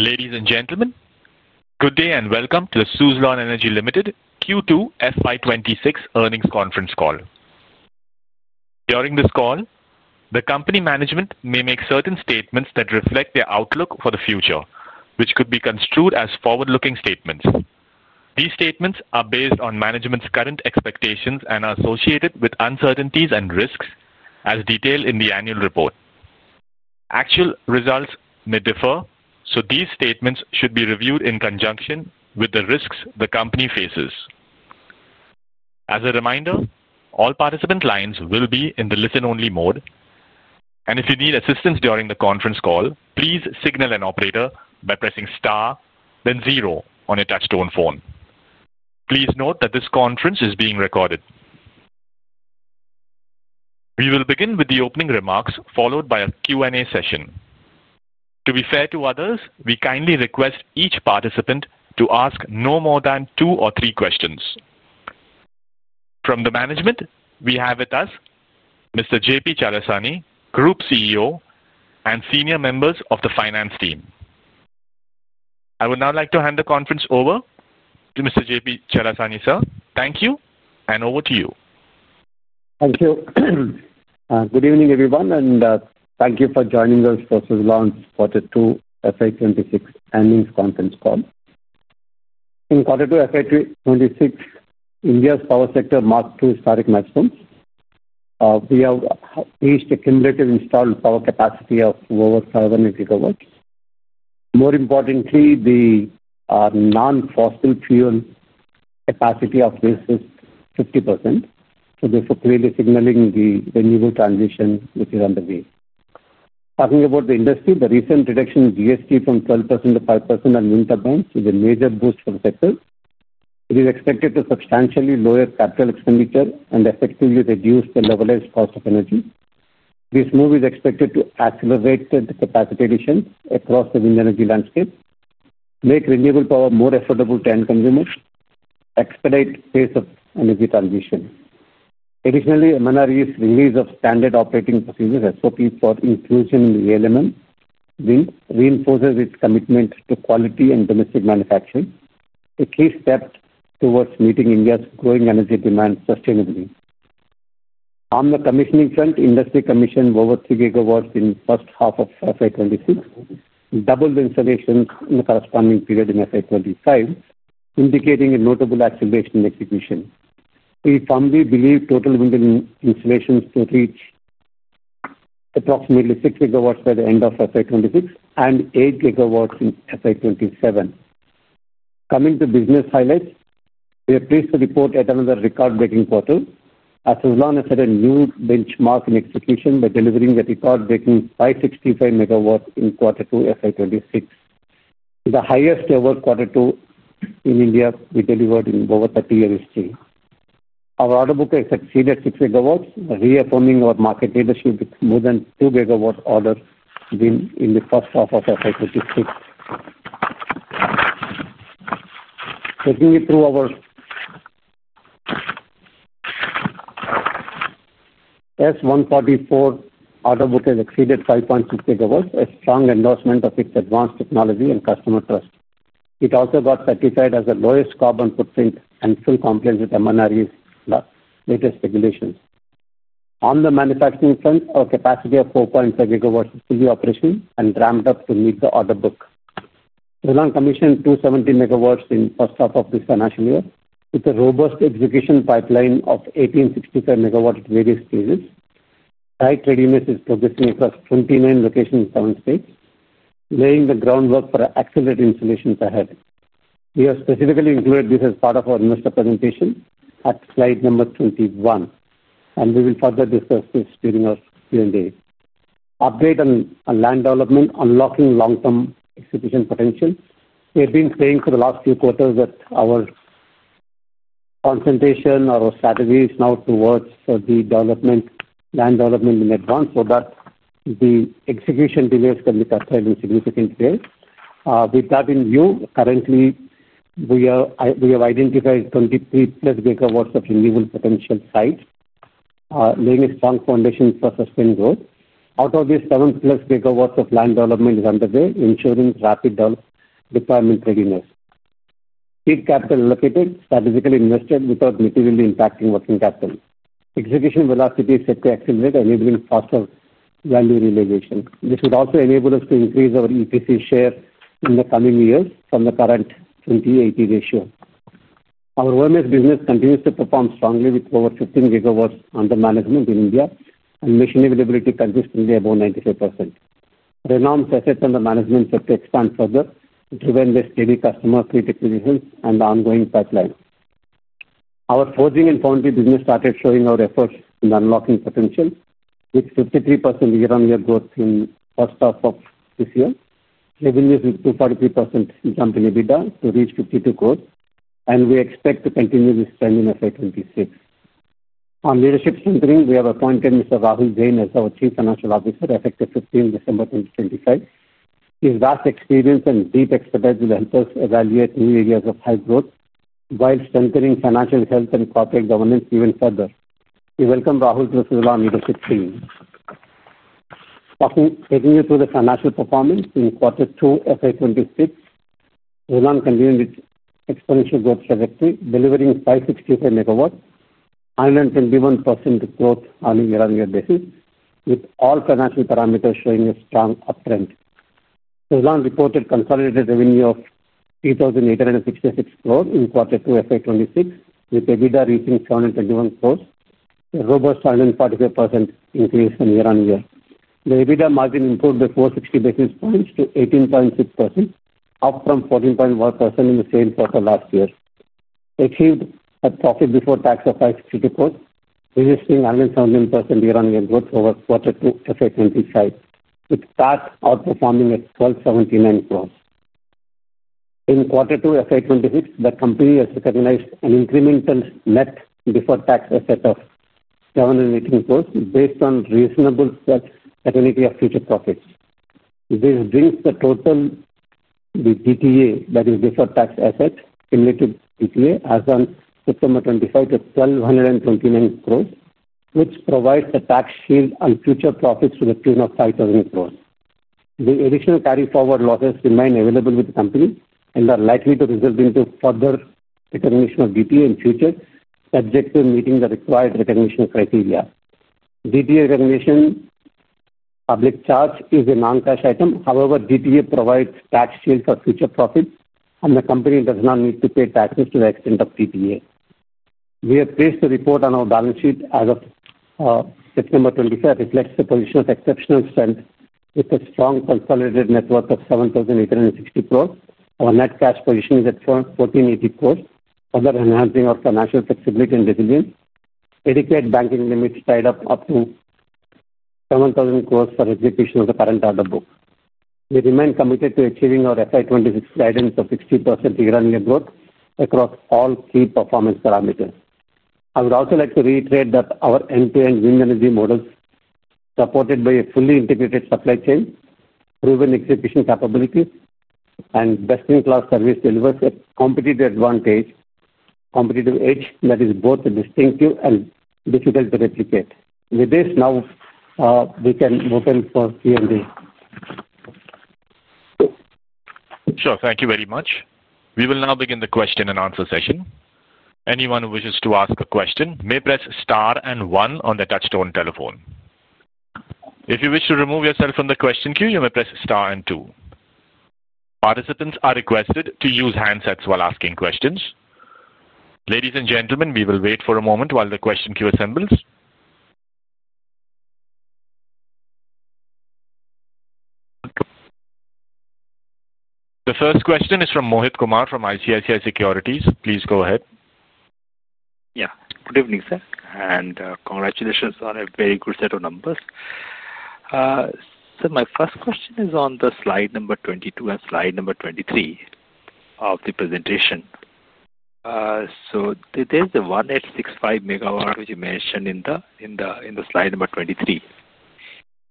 Ladies and gentlemen, good day and welcome to the Suzlon Energy Limited Q2 FY 2026 earnings conference call. During this call, the company management may make certain statements that reflect their outlook for the future, which could be construed as forward-looking statements. These statements are based on management's current expectations and are associated with uncertainties and risks, as detailed in the annual report. Actual results may differ, so these statements should be reviewed in conjunction with the risks the company faces. As a reminder, all participant lines will be in the listen-only mode. If you need assistance during the conference call, please signal an operator by pressing star, then zero on a touchstone phone. Please note that this conference is being recorded. We will begin with the opening remarks followed by a Q&A session. To be fair to others, we kindly request each participant to ask no more than two or three questions. From the management, we have with us Mr. J.P. Chalasani, Group CEO, and senior members of the finance team. I would now like to hand the conference over to Mr. J.P. Chalasani, sir. Thank you, and over to you. Thank you. Good evening, everyone, and thank you for joining us for Suzlon's Quarter 2 FY 2026 earnings conference call. In Quarter 2 FY 2026, India's power sector marked two historic milestones. We have reached a cumulative installed power capacity of over 500 GW. More importantly, the non-fossil fuel capacity of this is 50%. This is clearly signaling the renewable transition which is underway. Talking about the industry, the recent reduction in GST from 12%-5% on wind turbines is a major boost for the sector. It is expected to substantially lower capital expenditure and effectively reduce the levelized cost of energy. This move is expected to accelerate the capacity addition across the wind energy landscape, make renewable power more affordable to end consumers, and expedite the pace of energy transition. Additionally, MNRE's release of standard operating procedures, SOPs for inclusion in the ALMM, reinforces its commitment to quality and domestic manufacturing, a key step towards meeting India's growing energy demand sustainably. On the commissioning front, industry commissioned over 3 GW in the first half of FY 2026, doubled installations in the corresponding period in FY 2025, indicating a notable acceleration in execution. We firmly believe total wind installations will reach approximately 6 GW by the end of FY 2026 and 8 GW in FY 2027. Coming to business highlights, we are pleased to report yet another record-breaking quarter. Suzlon has set a new benchmark in execution by delivering a record-breaking 565 MW in Quarter 2 FY 2026. The highest-ever Quarter 2 in India we delivered in over 30-year history. Our order book has exceeded 6 GW, reaffirming our market leadership with more than 2 GW orders in the first half of FY 2026. Taking you through our S144 order book, it has exceeded 5.6 GW, a strong endorsement of its advanced technology and customer trust. It also got certified as the lowest carbon footprint and fully compliant with MNRE's latest regulations. On the manufacturing front, our capacity of 4.5 GW is fully operational and ramped up to meet the order book. Suzlon commissioned 270 MW in the first half of this financial year, with a robust execution pipeline of 1,865 MW at various stages. Site readiness is progressing across 29 locations in seven states, laying the groundwork for accelerated installations ahead. We have specifically included this as part of our investor presentation at slide number 21, and we will further discuss this during our Q&A. Update on land development, unlocking long-term execution potential. We have been saying for the last few quarters that our concentration or our strategy is now towards the land development in advance so that the execution delays can be curtailed in significant ways. With that in view, currently we have identified 23+ GW of renewable potential sites, laying a strong foundation for sustained growth. Out of this, 7+ GW of land development is underway, ensuring rapid deployment readiness. Seed capital allocated, strategically invested without materially impacting working capital. Execution velocity is set to accelerate, enabling faster value realization. This would also enable us to increase our EPC share in the coming years from the current 20/80 ratio. Our O&M business continues to perform strongly with over 15 GW under management in India and machine availability consistently above 95%. Renorm's assets under management set to expand further, driven by steady customer fleet acquisitions and ongoing pipeline. Our forging and foundry business started showing our efforts in unlocking potential, with 53% year-on-year growth in the first half of this year. Revenues with 2.43% jump in EBITDA to reach 52 crore, and we expect to continue this trend in FY 2026. On leadership strengthening, we have appointed Mr. Rahul Jain as our Chief Financial Officer effective 15th December 2025. His vast experience and deep expertise will help us evaluate new areas of high growth while strengthening financial health and corporate governance even further. We welcome Rahul to the Suzlon leadership team. Taking you through the financial performance in Quarter 2 FY 2026. Suzlon continued its exponential growth trajectory, delivering 565 MW, 121% growth on a year-on-year basis, with all financial parameters showing a strong uptrend. Suzlon reported consolidated revenue of 3,866 crore in Quarter 2 FY 2026, with EBITDA reaching 721 crore, a robust 145% increase from year-on-year. The EBITDA margin improved by 460 basis points to 18.6%, up from 14.1% in the same quarter last year. Achieved a profit before tax of 562 crore, registering 117% year-on-year growth over Quarter 2 FY 2025, with PAT outperforming at 1,279 crore. In Quarter 2 FY 2026, the company has recognized an incremental net deferred tax asset of 718 crore based on reasonable certainty of future profits. This brings the total with DTA, that is, Deferred Tax Assets, in relative DTA, as of September 2025 to INR 1,229 crore, which provides a tax shield on future profits to the tune of 5,000 crore. The additional carry-forward losses remain available with the company and are likely to result in further determination of DTA in the future, subject to meeting the required determination criteria. DTA recognition. Public charge is a non-cash item. However, DTA provides tax shield for future profits, and the company does not need to pay taxes to the extent of DTA. We have placed the report on our balance sheet as of September 2025 reflects the position of exceptional strength with a strong consolidated net worth of 7,860 crore. Our net cash position is at 1,480 crore, further enhancing our financial flexibility and resilience. Adequate banking limits tied up up to 7,000 crore for execution of the current order book. We remain committed to achieving our FY 2026 guidance of 60% year-on-year growth across all key performance parameters. I would also like to reiterate that our end-to-end wind energy models, supported by a fully integrated supply chain, proven execution capabilities, and best-in-class service deliver a competitive advantage, competitive edge that is both distinctive and difficult to replicate. With this, now. We can open for Q&A. Sure. Thank you very much. We will now begin the question-and-answer session. Anyone who wishes to ask a question may press star and one on the touchstone telephone. If you wish to remove yourself from the question queue, you may press star and two. Participants are requested to use handsets while asking questions. Ladies and gentlemen, we will wait for a moment while the question queue assembles. The first question is from Mohit Kumar from ICICI Securities. Please go ahead. Yeah. Good evening, sir. And congratulations on a very good set of numbers. Sir, my first question is on slide number 22 and slide number 23 of the presentation. So there is the 1,865 MW which you mentioned in slide number 23.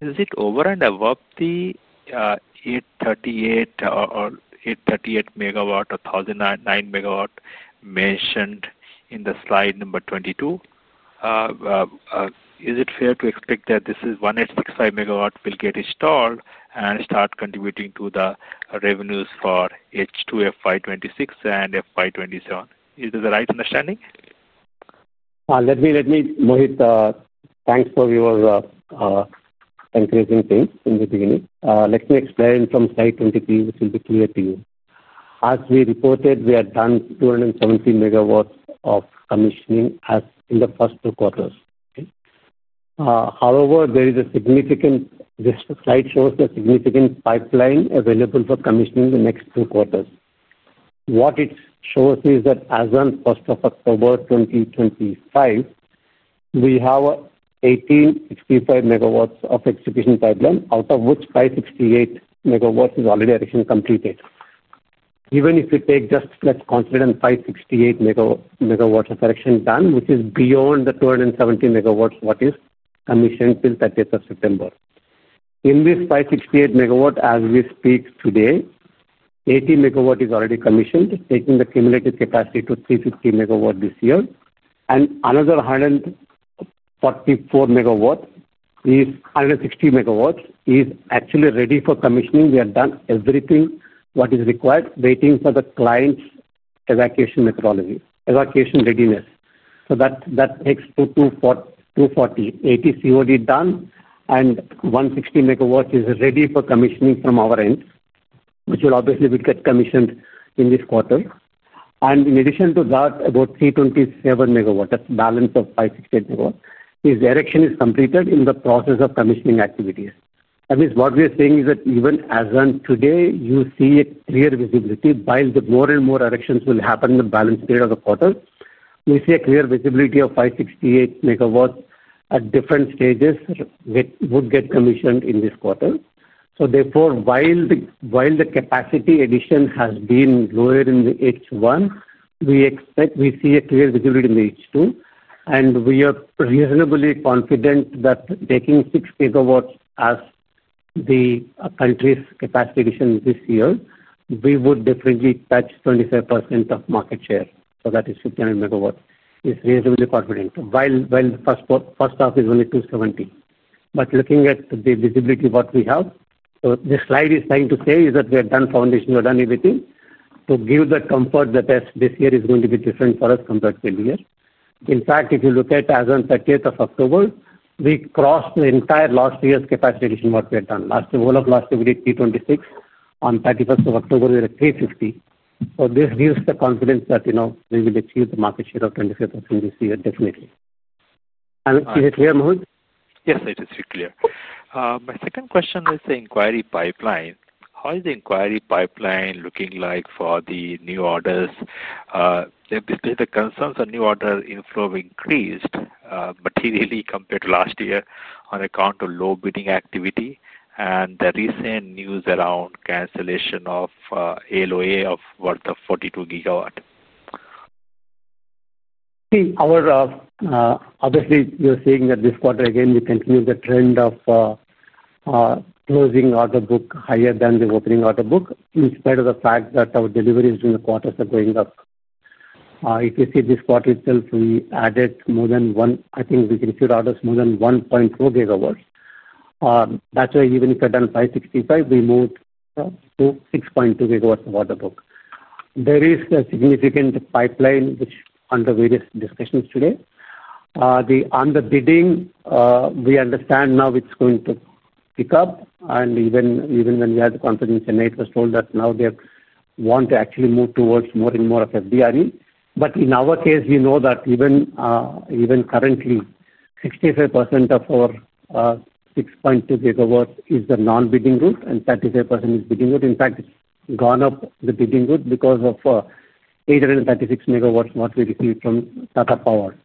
Is it over and above the 838 MW or 1,009 MW mentioned in slide number 22? Is it fair to expect that this 1,865 MW will get installed and start contributing to the revenues for H2 FY 2026 and FY 2027? Is that the right understanding? Let me, Mohit, thanks for your encouraging things in the beginning. Let me explain from slide 23, which will be clear to you. As we reported, we had done 217 MW of commissioning in the first two quarters. However, this slide shows a significant pipeline available for commissioning in the next two quarters. What it shows is that as of October 2025, we have 1,865 MW of execution pipeline, out of which 568 MW is already completed. Even if we take just—let's consider 568 MW of production done, which is beyond the 217 MW that is commissioned till 30th September. In this 568 MW, as we speak today, 80 MW is already commissioned, taking the cumulative capacity to 350 MW this year. And another 144 MW is actually ready for commissioning. We have done everything that is required, waiting for the client's evacuation readiness. That takes 240, 80 COD done, and 160 MW is ready for commissioning from our end, which will obviously get commissioned in this quarter. In addition to that, about 327 MW, that's the balance of 568 MW, is the erection is completed in the process of commissioning activities. That means what we are saying is that even as of today, you see a clear visibility while more and more erections will happen in the balance period of the quarter. We see a clear visibility of 568 MW at different stages that would get commissioned in this quarter. Therefore, while the capacity addition has been lower in H1, we see a clear visibility in H2. We are reasonably confident that taking 6 GW as the country's capacity addition this year, we would definitely touch 25% of market share. That is 59 MW. It's reasonably confident, while the first half is only 270. Looking at the visibility of what we have, the slide is trying to say is that we have done foundation, we have done everything to give the comfort that this year is going to be different for us compared to the previous year. In fact, if you look at as of 30th October, we crossed the entire last year's capacity addition of what we had done. Last year, all of last year, we did T26. On 31st October we had 350. This gives the confidence that we will achieve the market share of 25% this year, definitely. Is it clear, Mohit? Yes, it is clear. My second question is the inquiry pipeline. How is the inquiry pipeline looking like for the new orders? The concerns on new order inflow increased materially compared to last year on account of low bidding activity and the recent news around cancellation of LOA worth 42 GW. See, obviously, we are seeing that this quarter, again, we continue the trend of closing order book higher than the opening order book, in spite of the fact that our deliveries during the quarter are going up. If you see this quarter itself, we added more than one, I think we received orders more than 1.4 GW. That's why even if we had done 565, we moved to 6.2 GW of order book. There is a significant pipeline under various discussions today. On the bidding, we understand now it's going to pick up. Even when we had the confidence, Nate was told that now they want to actually move towards more and more of FDRE. In our case, we know that even currently, 65% of our 6.2 GW is the non-bidding route, and 35% is bidding route. In fact, it's gone up the bidding route because of 836 MW of what we received from Tata Power.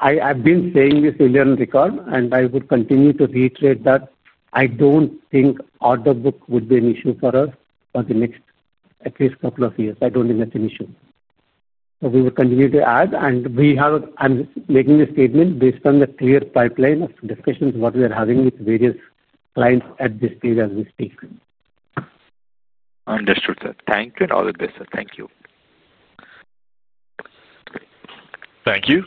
I've been saying this earlier on the record, and I would continue to reiterate that I don't think order book would be an issue for us for the next at least couple of years. I don't think that's an issue. We will continue to add. I'm making this statement based on the clear pipeline of discussions of what we are having with various clients at this period as we speak. Understood. Thank you. All the best. Thank you. Thank you.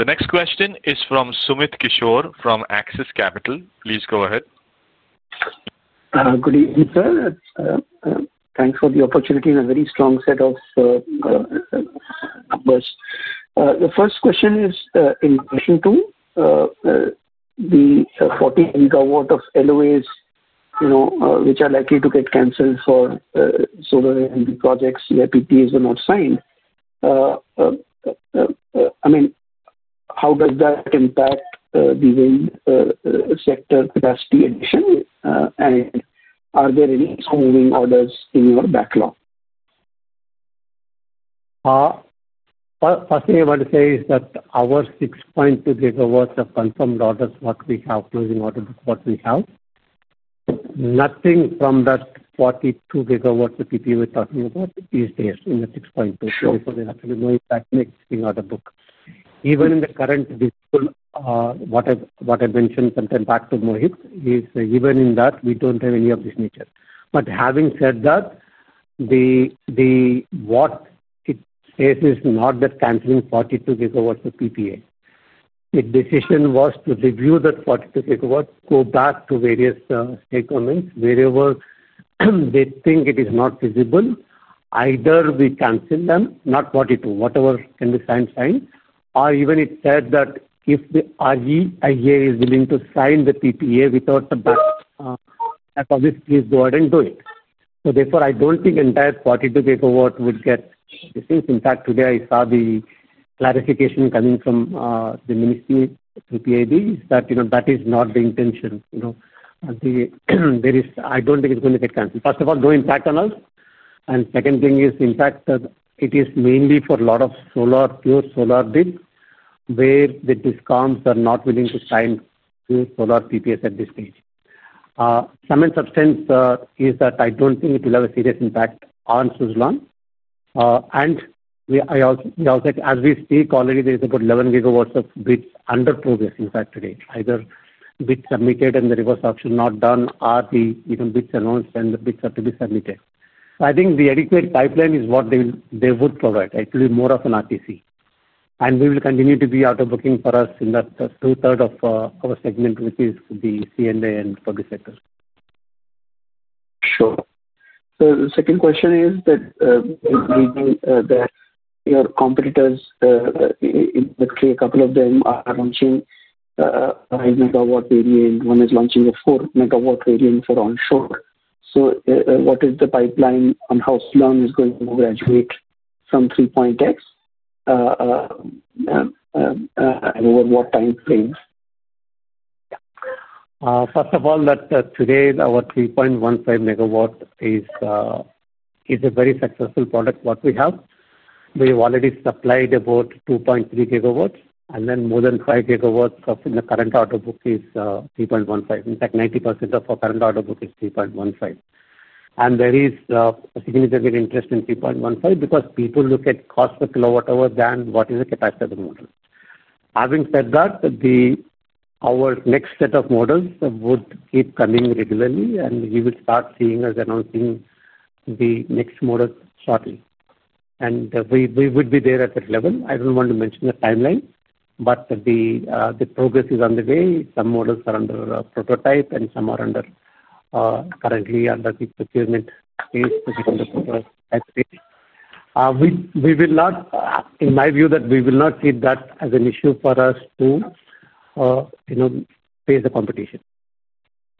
The next question is from Sumit Kishore from Axis Capital. Please go ahead. Good evening, sir. Thanks for the opportunity and a very strong set of numbers. The first question is in question two. The 40 GW of LOAs which are likely to get canceled for solar and the projects EIPTs were not signed. I mean, how does that impact the wind sector capacity addition? And are there any slow-moving orders in your backlog? First thing I want to say is that our 6.2 GW of confirmed orders, what we have closing order book, what we have. Nothing from that 42 GW of PPA we're talking about these days in the 6.2. There is absolutely no impact in the existing order book. Even in the current visual, what I mentioned sometime back to Mohit is even in that, we do not have any of this nature. Having said that, what it says is not that canceling 42 GW of PPA. The decision was to review that 42 GW, go back to various stakeholders, wherever they think it is not feasible. Either we cancel them, not 42, whatever can be signed, signed. Or even it said that if the REIA is willing to sign the PPA without the back. Obviously, please go ahead and do it. Therefore, I do not think the entire 42 GW would get this thing. In fact, today, I saw the clarification coming from the ministry through PIB that that is not the intention. I do not think it is going to get canceled. First of all, no impact on us. Second thing is, in fact, it is mainly for a lot of pure solar bids where the discounts are not willing to sign pure solar PPAs at this stage. Sum and substance is that I do not think it will have a serious impact on Suzlon. As we speak, already, there is about 11 GW of bids under progress, in fact, today. Either bids submitted and the reverse auction not done or the bids announced and the bids are to be submitted. I think the adequate pipeline is what they would provide. It will be more of an RTC. We will continue to be out of booking for us in that two-thirds of our segment, which is the C&I and public sector. Sure. The second question is that your competitors, in fact, a couple of them are launching a 5 MW variant. One is launching a 4 MW variant for onshore. What is the pipeline on how Suzlon is going to graduate from 3.X, and over what time frames? First of all, that today, our 3.15 MW is a very successful product what we have. We have already supplied about 2.3 GW. More than 5 GW in the current order book is 3.15. In fact, 90% of our current order book is 3.15. There is a significant interest in 3.15 because people look at cost per kilowatt hour than what is the capacity of the model. Having said that, our next set of models would keep coming regularly, and you will start seeing us announcing the next model shortly. We would be there at that level. I do not want to mention the timeline, but the progress is on the way. Some models are under prototype, and some are currently under the procurement phase. We will not, in my view, we will not see that as an issue for us to face the competition.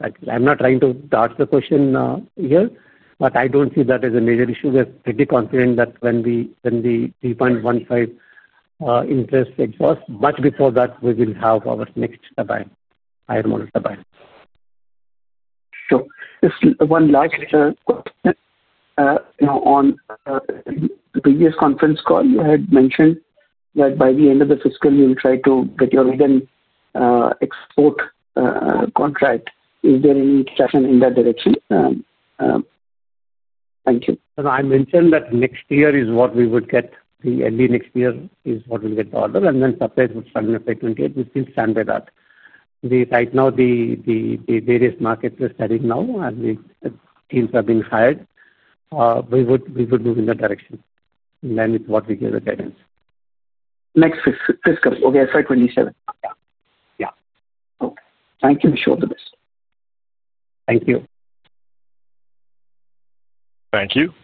I am not trying to dodge the question here, but I do not see that as a major issue. We are pretty confident that when the 3.15 interests exhaust, much before that, we will have our next higher model to buy. Sure. Just one last question. On the previous conference call, you had mentioned that by the end of the fiscal, you will try to get your even export contract. Is there any traction in that direction? Thank you. I mentioned that next year is what we would get. Early next year is what we'll get the order. The surprise would come in FY 2028. We've been standby that. Right now, the various markets are starting now, and teams are being hired. We would move in that direction. It's what we give a guidance. Next fiscal. Okay, FY 2027. Yeah. Okay. Thank you. We'll show the best. Thank you. Thank you.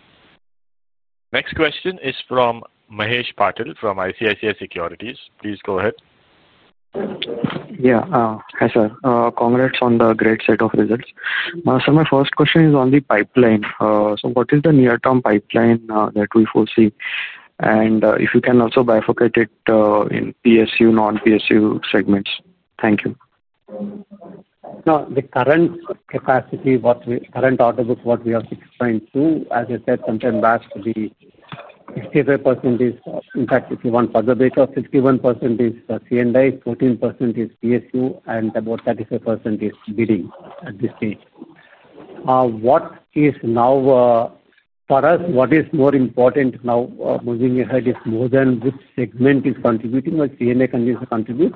Next question is from Mahesh Patil from ICICI Securities. Please go ahead. Yeah. Hi, sir. Congrats on the great set of results. Sir, my first question is on the pipeline. What is the near-term pipeline that we foresee? If you can also bifurcate it in PSU, non-PSU segments. Thank you. The current capacity, current order book, what we have 6.2, as I said, sometime back. 65% is, in fact, if you want further data, 61% is CNI, 14% is PSU, and about 35% is bidding at this stage. For us, what is more important now moving ahead is more than which segment is contributing or CNI continues to contribute.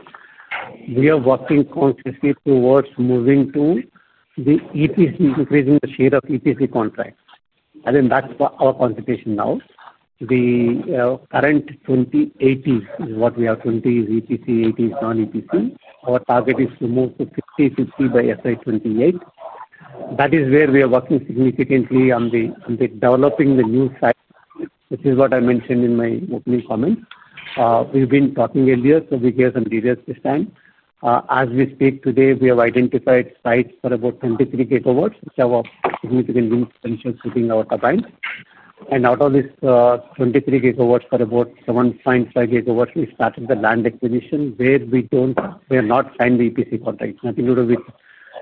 We are working consistently towards moving to the EPC, increasing the share of EPC contracts. I think that's our concentration now. The current 20-80 is what we have. 20 is EPC, 80 is non-EPC. Our target is to move to 50-50 by FY 2028. That is where we are working significantly on developing the new site, which is what I mentioned in my opening comments. We've been talking earlier, so we hear some details this time. As we speak today, we have identified sites for about 23 GW, which have a significant potential to bring our turbine. And out of this 23 GW, for about 7.5 GW, we started the land acquisition where we have not signed the EPC contract. Nothing to do with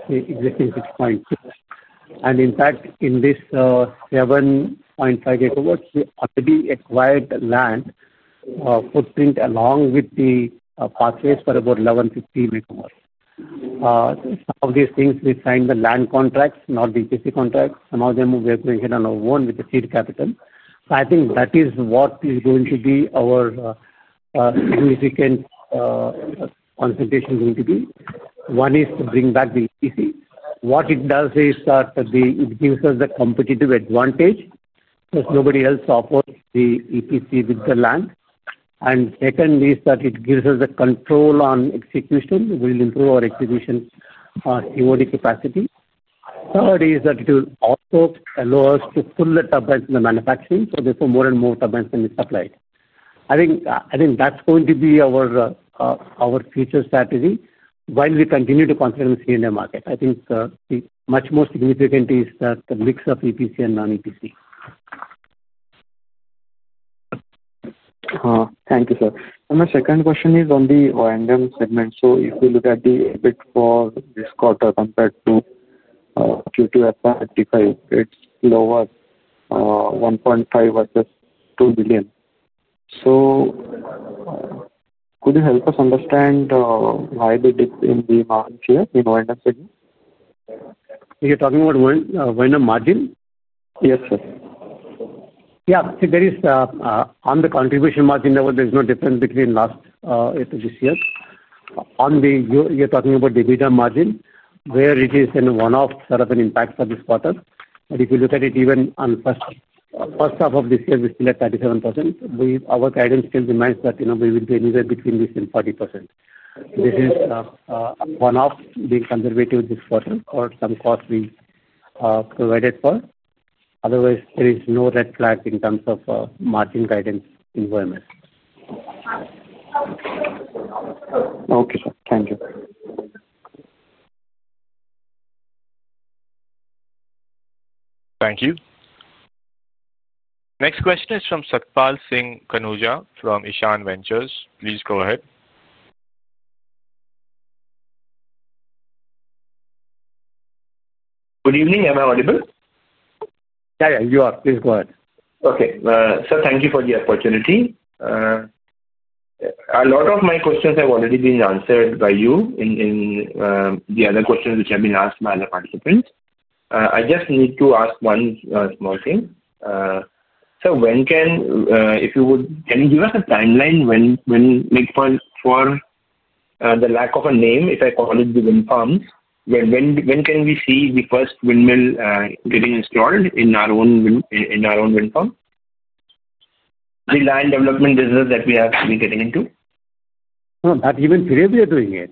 the existing 6.2. In fact, in this 7.5 GW, we already acquired land footprint along with the pathways for about 11-15 MW. Some of these things, we signed the land contracts, not the EPC contracts. Some of them we acquired on our own with the seed capital. I think that is what is going to be our significant concentration going to be. One is to bring back the EPC. What it does is that it gives us the competitive advantage because nobody else offers the EPC with the land. Second is that it gives us the control on execution. It will improve our execution COD capacity. Third is that it will also allow us to pull the turbines in the manufacturing. Therefore, more and more turbines can be supplied. I think that's going to be our future strategy while we continue to concentrate on the CNI market. I think the much more significant is that the mix of EPC and non-EPC. Thank you, sir. My second question is on the O&M segment. If we look at the EBIT for this quarter compared to Q2 FY2035, it's lower. 1.5 billion versus 2 billion. Could you help us understand why the dip in the margin here in the O&M segment? You're talking about O&M margin? Yes, sir. Yeah. On the contribution margin level, there's no difference between last year to this year. You're talking about the EBITDA margin, where it is a one-off sort of an impact for this quarter. If you look at it, even on the first half of this year, we're still at 37%. Our guidance still demands that we will be anywhere between this and 40%. This is a one-off, being conservative this quarter for some costs we provided for. Otherwise, there is no red flag in terms of margin guidance in O&M. Okay, sir. Thank you. Thank you. Next question is from Satpal Singh Khanuja from Ishaan Ventures. Please go ahead. Good evening. Am I audible? Yeah, yeah. You are. Please go ahead. Okay. Sir, thank you for the opportunity. A lot of my questions have already been answered by you in the other questions which have been asked by other participants. I just need to ask one small thing. Sir, if you would, can you give us a timeline for, for the lack of a name, if I call it the wind farms, when can we see the first windmill getting installed in our own wind farm? The land development business that we have been getting into? Not even today we are doing it.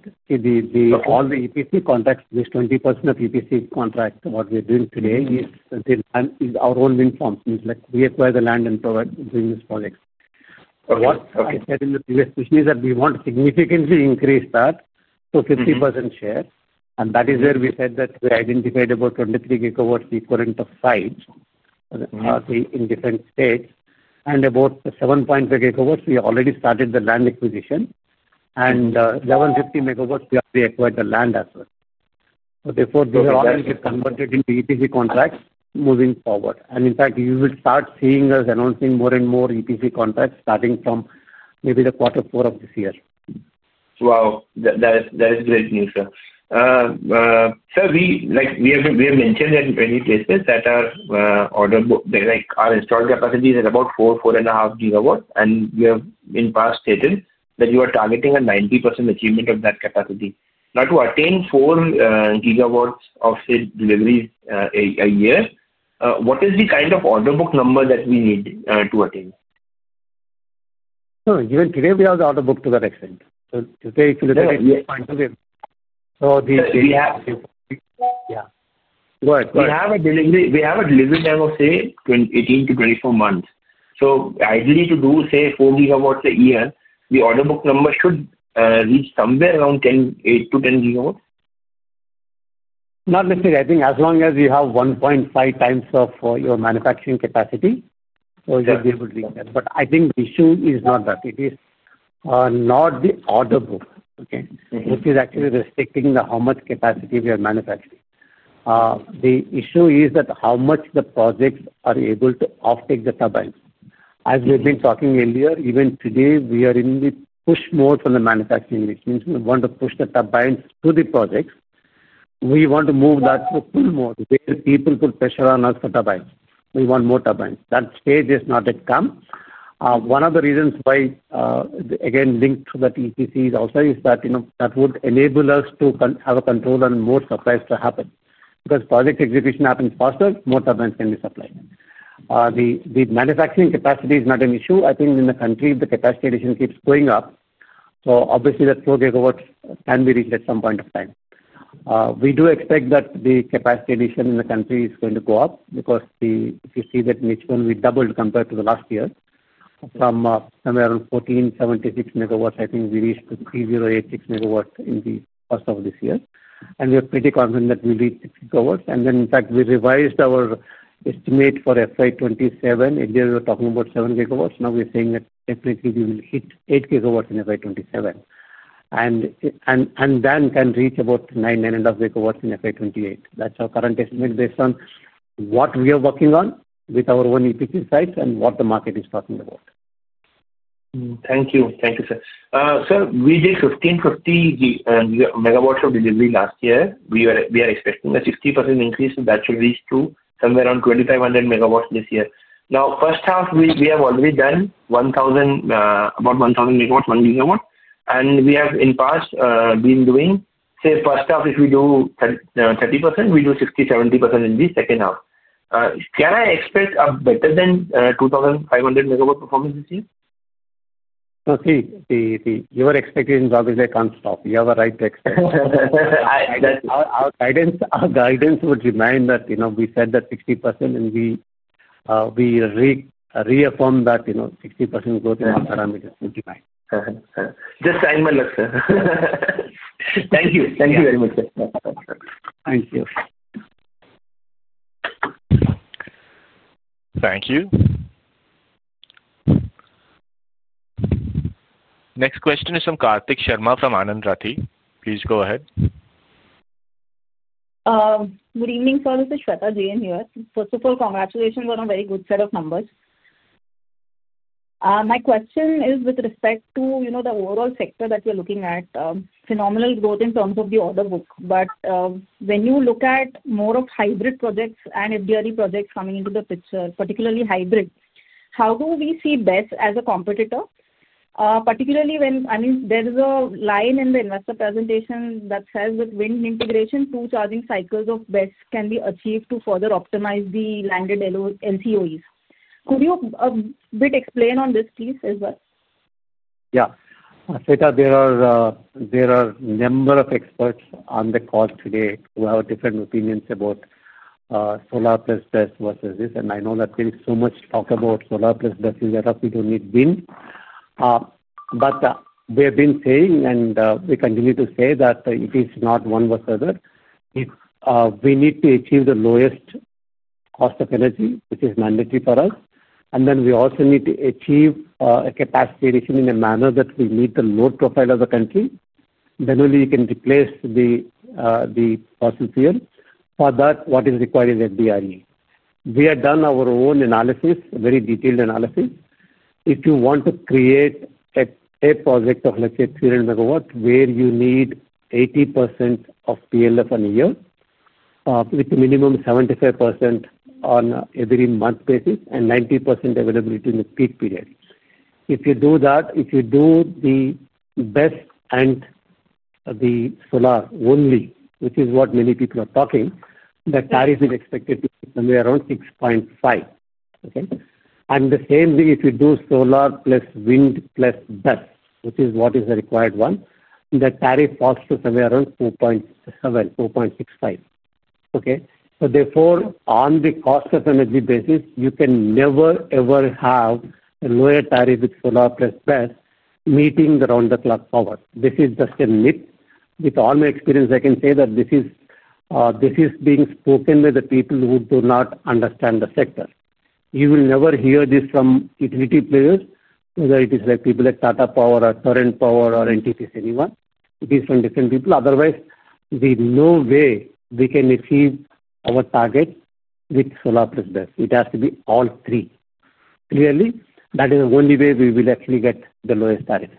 All the EPC contracts, at least 20% of EPC contracts, what we are doing today is our own wind farms. We acquire the land and doing these projects. What I said in the previous question is that we want to significantly increase that to 50% share. That is where we said that we identified about 23 GW equivalent of five in different states. About 7.5 GW, we already started the land acquisition, and 11 MW-15 MW, we have to acquire the land as well. Therefore, these are all converted into EPC contracts moving forward. In fact, you will start seeing us announcing more and more EPC contracts starting from maybe the quarter four of this year. Wow. That is great news, sir. Sir, we have mentioned that in many places that our installed capacity is at about 4, 4.5 GW. And we have in past stated that you are targeting a 90% achievement of that capacity. Now, to attain 4 GW of deliveries a year, what is the kind of order book number that we need to attain? Even today, we have the order book to that extent. If you look at it. We have. Yeah. Go ahead. We have a delivery time of, say, 18 to 24 months. Ideally, to do, say, 4 GW a year, the order book number should reach somewhere around 8 GW-10 GW. Not necessarily. I think as long as you have 1.5x of your manufacturing capacity, you should be able to reach that. I think the issue is not that. It is not the order book, okay, which is actually restricting how much capacity we are manufacturing. The issue is how much the projects are able to offtake the turbines. As we've been talking earlier, even today, we are in the push mode for the manufacturing industry. We want to push the turbines to the projects. We want to move that to pull mode where people put pressure on us for turbines. We want more turbines. That stage has not yet come. One of the reasons why, again linked to that EPC, is also that would enable us to have a control on more supplies to happen. Because project execution happens faster, more turbines can be supplied. The manufacturing capacity is not an issue. I think in the country, the capacity addition keeps going up. Obviously, that 4 GW can be reached at some point of time. We do expect that the capacity addition in the country is going to go up because if you see that in H1, we doubled compared to last year. From somewhere around 1,476 MW, I think we reached 3,086 MW in the first half of this year. We are pretty confident that we'll reach 6 GW. In fact, we revised our estimate for FY 2027. Earlier, we were talking about 7 GW. Now we're saying that technically we will hit 8 GW in FY 2027. Then can reach about 9 GW, 9.5 GW in FY 2028. That's our current estimate based on what we are working on with our own EPC sites and what the market is talking about. Thank you. Thank you, sir. Sir, we did 1,550 MW of delivery last year. We are expecting a 60% increase that should reach to somewhere around 2,500 MW this year. Now, first half, we have already done about 1,000 MW, 1 GW. And we have, in past, been doing, say, first half, if we do 30%, we do 60%, 70% in the second half. Can I expect a better than 2,500 MW performance this year? No, see, your expectations obviously can't stop. You have a right to expect. Our guidance would remind that we said that 60%, and we reaffirm that 60% growth in our parameters would be fine. Just time well, sir. Thank you. Thank you very much, sir. Thank you. Thank you. Next question is from Karthik Sharma from Anand Rathi. Please go ahead. Good evening, sir. This is Sweta Jain here. First of all, congratulations on a very good set of numbers. My question is with respect to the overall sector that we're looking at, phenomenal growth in terms of the order book. When you look at more of hybrid projects and FDRE projects coming into the picture, particularly hybrid, how do we see BESS as a competitor? Particularly when, I mean, there is a line in the investor presentation that says that wind integration through charging cycles of BESS can be achieved to further optimize the landed NCOEs. Could you a bit explain on this, please, as well? Yeah. Sweta, there are a number of experts on the call today who have different opinions about solar plus BESS versus this. I know that there is so much talk about solar plus BESS is that we do not need wind. We have been saying, and we continue to say, that it is not one versus the other. We need to achieve the lowest cost of energy, which is mandatory for us. We also need to achieve a capacity addition in a manner that we meet the load profile of the country. Only then can you replace the fossil fuel. For that, what is required is FDRE. We have done our own analysis, a very detailed analysis. If you want to create a project of, let's say, 300 MW where you need 80% of PLF on a year, with a minimum of 75% on an every month basis and 90% availability in the peak period. If you do that, if you do the BESS and the solar only, which is what many people are talking, the tariff is expected to be somewhere around 6.5. The same thing if you do solar plus wind plus BESS, which is what is the required one, the tariff falls to somewhere around 4.7, 4.65. Okay? Therefore, on the cost of energy basis, you can never, ever have a lower tariff with solar plus BESS meeting the round-the-clock power. This is just a myth. With all my experience, I can say that this is being spoken by the people who do not understand the sector. You will never hear this from utility players, whether it is people at Tata Power or Torrent Power or NTPC, anyone. It is from different people. Otherwise, there is no way we can achieve our target with solar plus BESS. It has to be all three. Clearly, that is the only way we will actually get the lowest tariff.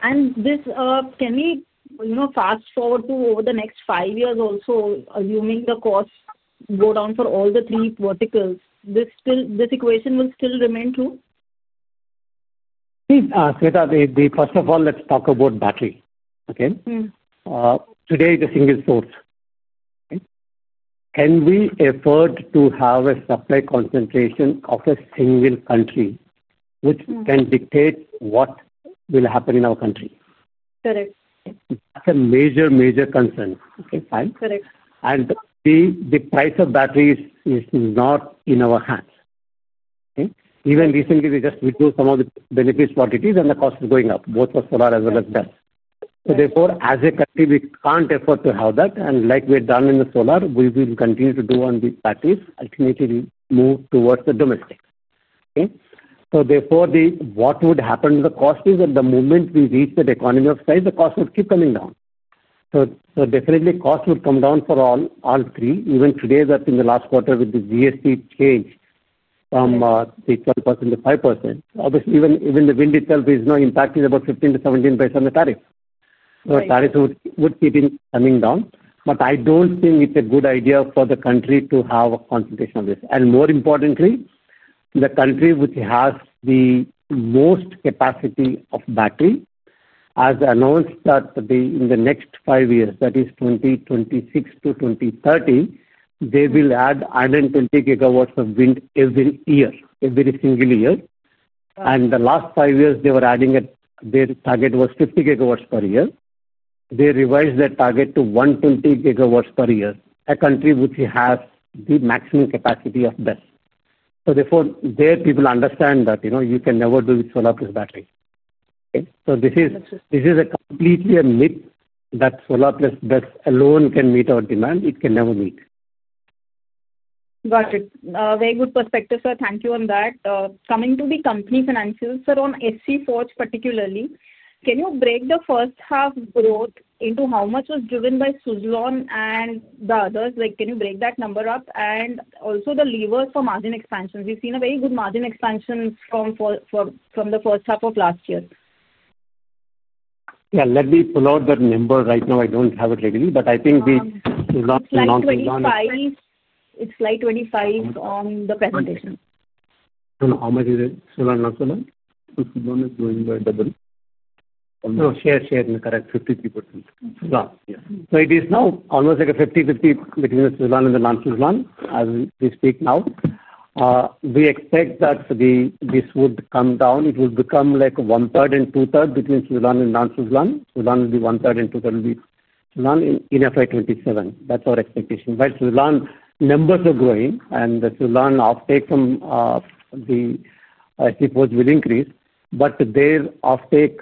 Can we fast forward to over the next five years also, assuming the costs go down for all the three verticals, this equation will still remain true? See, Sweta, first of all, let's talk about battery. Okay? Today, it's a single source. Can we afford to have a supply concentration of a single country which can dictate what will happen in our country? Correct. That's a major, major concern. Okay? Correct. The price of batteries is not in our hands. Even recently, we just withdrew some of the benefits for what it is, and the cost is going up, both for solar as well as BESS. Therefore, as a country, we can't afford to have that. Like we had done in the solar, we will continue to do on the batteries, alternatively move towards the domestics. Okay? Therefore, what would happen to the cost is that the moment we reach that economy of scale, the cost would keep coming down. Definitely, cost would come down for all three. Even today, in the last quarter with the GST change from 12%-5%, obviously, even the wind itself is now impacted about 15%-17% of the tariff. Tariffs would keep coming down. I don't think it's a good idea for the country to have a concentration of this. More importantly, the country which has the most capacity of battery has announced that in the next five years, that is 2026 to 2030, they will add 120 GW of wind every year, every single year. In the last five years, they were adding, their target was 50 GW per year. They revised their target to 120 GW per year, a country which has the maximum capacity of BESS. Therefore, there people understand that you can never do with solar plus battery. Okay? This is completely a myth that solar plus BESS alone can meet our demand. It can never meet. Got it. Very good perspective, sir. Thank you on that. Coming to the company financials, sir, on SC Forge particularly, can you break the first half growth into how much was driven by Suzlon and the others? Can you break that number up? Also, the levers for margin expansion? We've seen a very good margin expansion from the first half of last year. Yeah. Let me pull out that number right now. I don't have it ready, but I think we've not. It's slide 25 on the presentation. How much is it? Solar and non-solar? Suzlon is doing by double. Oh, share, share. Correct. 53%. Yeah. It is now almost like a 50-50 between Suzlon and the non-Suzlon as we speak now. We expect that this would come down. It will become like one-third and two-third between Suzlon and non-Suzlon. Suzlon will be one-third and two-third will be non-Suzlon in FY 2027. That is our expectation. Suzlon numbers are growing, and the Suzlon offtake from the SC Forge will increase. Their offtake,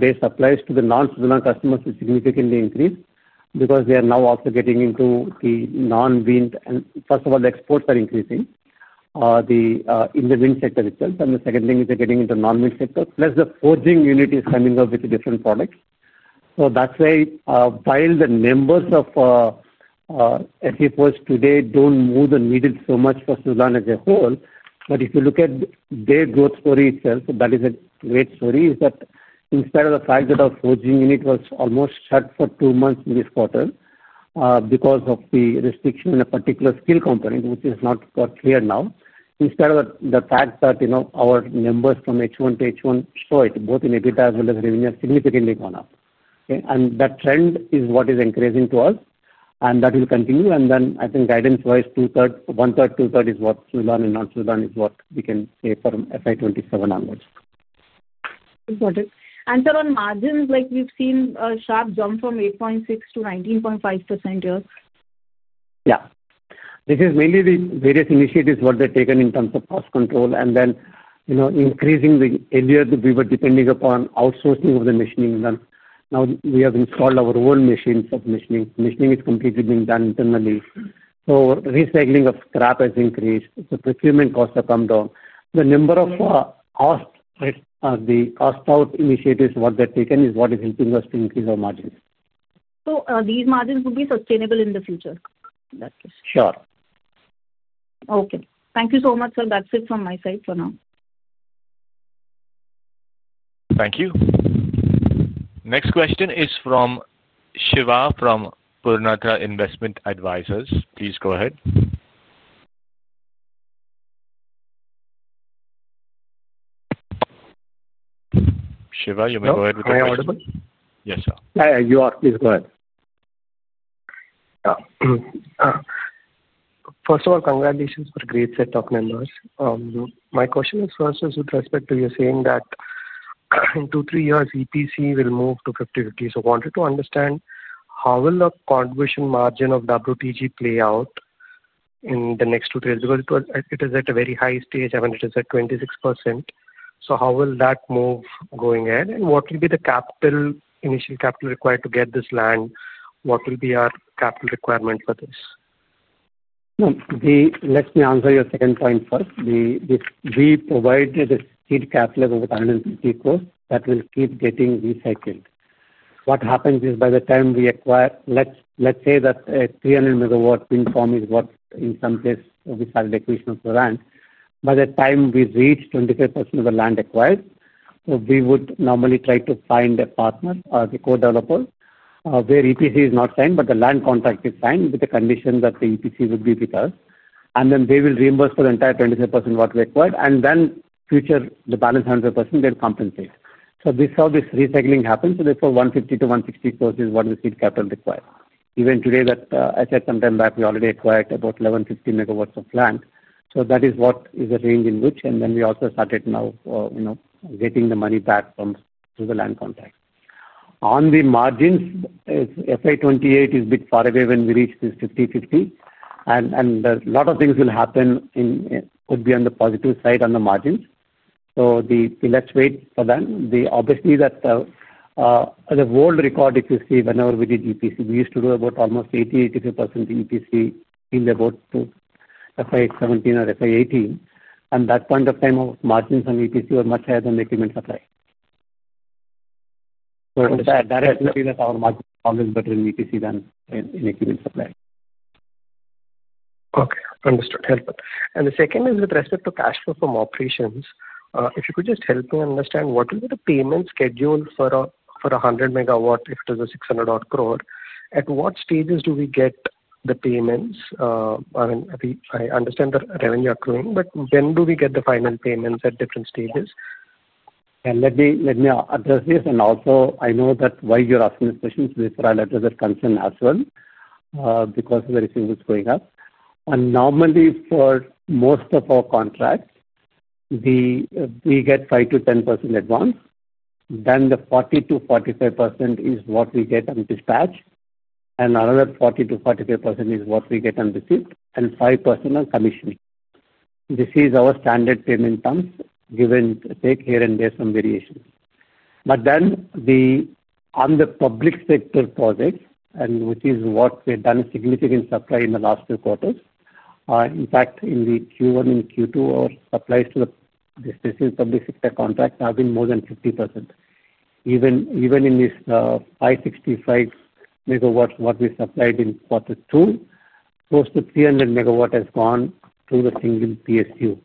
their supplies to the non-Suzlon customers will significantly increase because they are now also getting into the non-wind. First of all, the exports are increasing in the wind sector itself. The second thing is they are getting into the non-wind sector. Plus, the forging unit is coming up with different products. That is why while the numbers of SC Forge today do not move the needle so much for Suzlon as a whole, if you look at their growth story itself, that is a great story, instead of the fact that our forging unit was almost shut for two months in this quarter because of the restriction in a particular skill component, which is not quite clear now, instead of the fact that our numbers from H1 to H1 saw it, both in EBITDA as well as revenue, have significantly gone up. That trend is what is encouraging to us, and that will continue. I think guidance-wise, one-third, two-third is what Suzlon and non-Suzlon is what we can say from FY 2027 onwards. Got it. And sir, on margins, we've seen a sharp jump from 8.6%-19.5%. Yeah. This is mainly the various initiatives that they've taken in terms of cost control. Then increasing the area that we were depending upon outsourcing of the machining done. Now, we have installed our own machines for machining. Machining is completely being done internally. Recycling of scrap has increased. Procurement costs have come down. The cost-out initiatives, what they've taken, is what is helping us to increase our margins. These margins will be sustainable in the future? Sure. Okay. Thank you so much, sir. That's it from my side for now. Thank you. Next question is from Shiva from Purnartha Investment Advisors. Please go ahead. Shiva, you may go ahead with the question. Yes, sir. You are. Please go ahead. First of all, congratulations for a great set of numbers. My question is first, with respect to you saying that in two, three years, EPC will move to 50-50. I wanted to understand how will the conversion margin of WTG play out in the next two years? Because it is at a very high stage and it is at 26%. How will that move going ahead? What will be the initial capital required to get this land? What will be our capital requirement for this? Let me answer your second point first. We provided a seed capital of about 150 crore that will keep getting recycled. What happens is by the time we acquire, let's say that a 300 MW wind farm is what in some place we started acquisition of the land. By the time we reach 25% of the land acquired, we would normally try to find a partner or a co-developer where EPC is not signed, but the land contract is signed with the condition that the EPC would be with us. They will reimburse for the entire 25% of what we acquired. In future, the balance 100%, they'll compensate. This is how this recycling happens. Therefore, 150-160 crore is what the seed capital requires. Even today, as I said some time back, we already acquired about 1,150 MW of land. That is what is the range in which we also started now getting the money back from the land contract. On the margins, FY 2028 is a bit far away when we reach this 50-50. A lot of things will happen could be on the positive side on the margins. Let's wait for them. Obviously, the world record, if you see, whenever we did EPC, we used to do about almost 80%, 85% EPC in about FY 2017 or FY 2018. At that point of time, our margins on EPC were much higher than the equipment supply. Directly, our margin is always better in EPC than in equipment supply. Okay. Understood. Helpful. The second is with respect to cash flow from operations, if you could just help me understand what will be the payment schedule for 100 MW if it is a 600 crore-odd? At what stages do we get the payments? I mean, I understand the revenue accruing, but when do we get the final payments at different stages? Let me address this. I know that while you're asking these questions, I'll address that concern as well because of everything that's going on. Normally, for most of our contracts, we get 5%-10% advance. Then 40%-45% is what we get on dispatch, and another 40%-45% is what we get on receipt, and 5% on commission. This is our standard payment terms, give and take here and there some variation. On the public sector projects, which is what we've done a significant supply in the last two quarters. In fact, in Q1 and Q2, our supplies to the public sector contracts have been more than 50%. Even in this 565 MW that we supplied in quarter two, close to 300 MW has gone to the single PSU.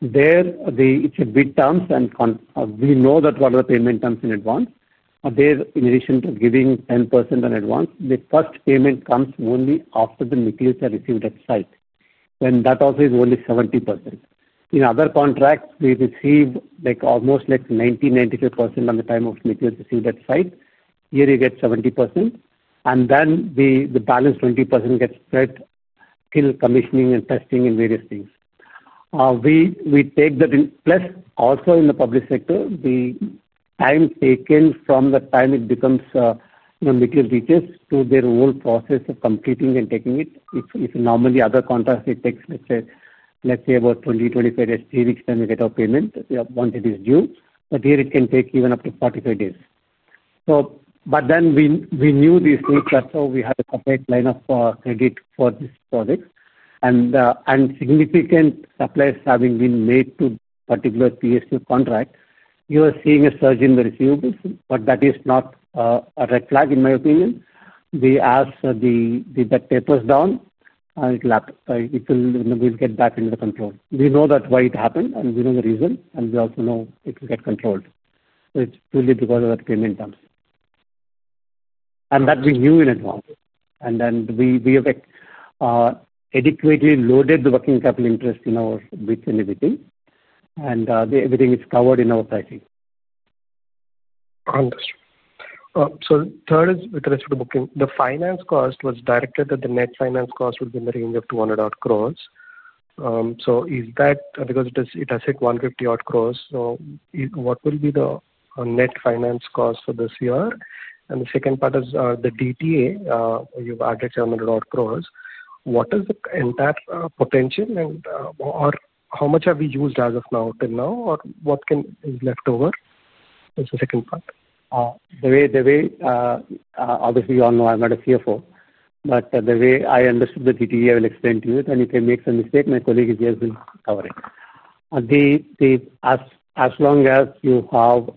There, it's bid terms, and we know what the payment terms are in advance. There, in addition to giving 10% in advance, the first payment comes only after the materials are received at site, and that also is only 70%. In other contracts, we receive almost 90%, 95% at the time materials are received at site. Here, you get 70%, and then the balance 20% gets split till commissioning and testing and various things. We take that in. Also, in the public sector, the time taken from the time material reaches to their whole process of completing and taking it, if normally in other contracts, it takes, let's say, about 20-25 days, three weeks' time to get our payment once it is due, here, it can take even up to 45 days. We knew these things, that we had a correct line of credit for this project. Significant supplies having been made to the particular PSU contract, you are seeing a surge in the receivables. That is not a red flag, in my opinion. We ask that that tapers down. It will get back under control. We know why it happened, and we know the reason, and we also know it will get controlled. It's purely because of the payment terms, and that we knew in advance. We have adequately loaded the working capital interest in our bids and everything, and everything is covered in our pricing. Understood. Third is with respect to booking. The finance cost was directed that the net finance cost would be in the range of 200-odd crore. Because it has hit 150-odd crore, what will be the net finance cost for this year? The second part is the DTA. You've added INR 700-odd crore. What is the entire potential? How much have we used as of now till now? What is left over? That's the second part. The way. Obviously, you all know I'm not a CFO. But the way I understood the DTA, I will explain to you. And if I make a mistake, my colleague here will cover it. As long as you have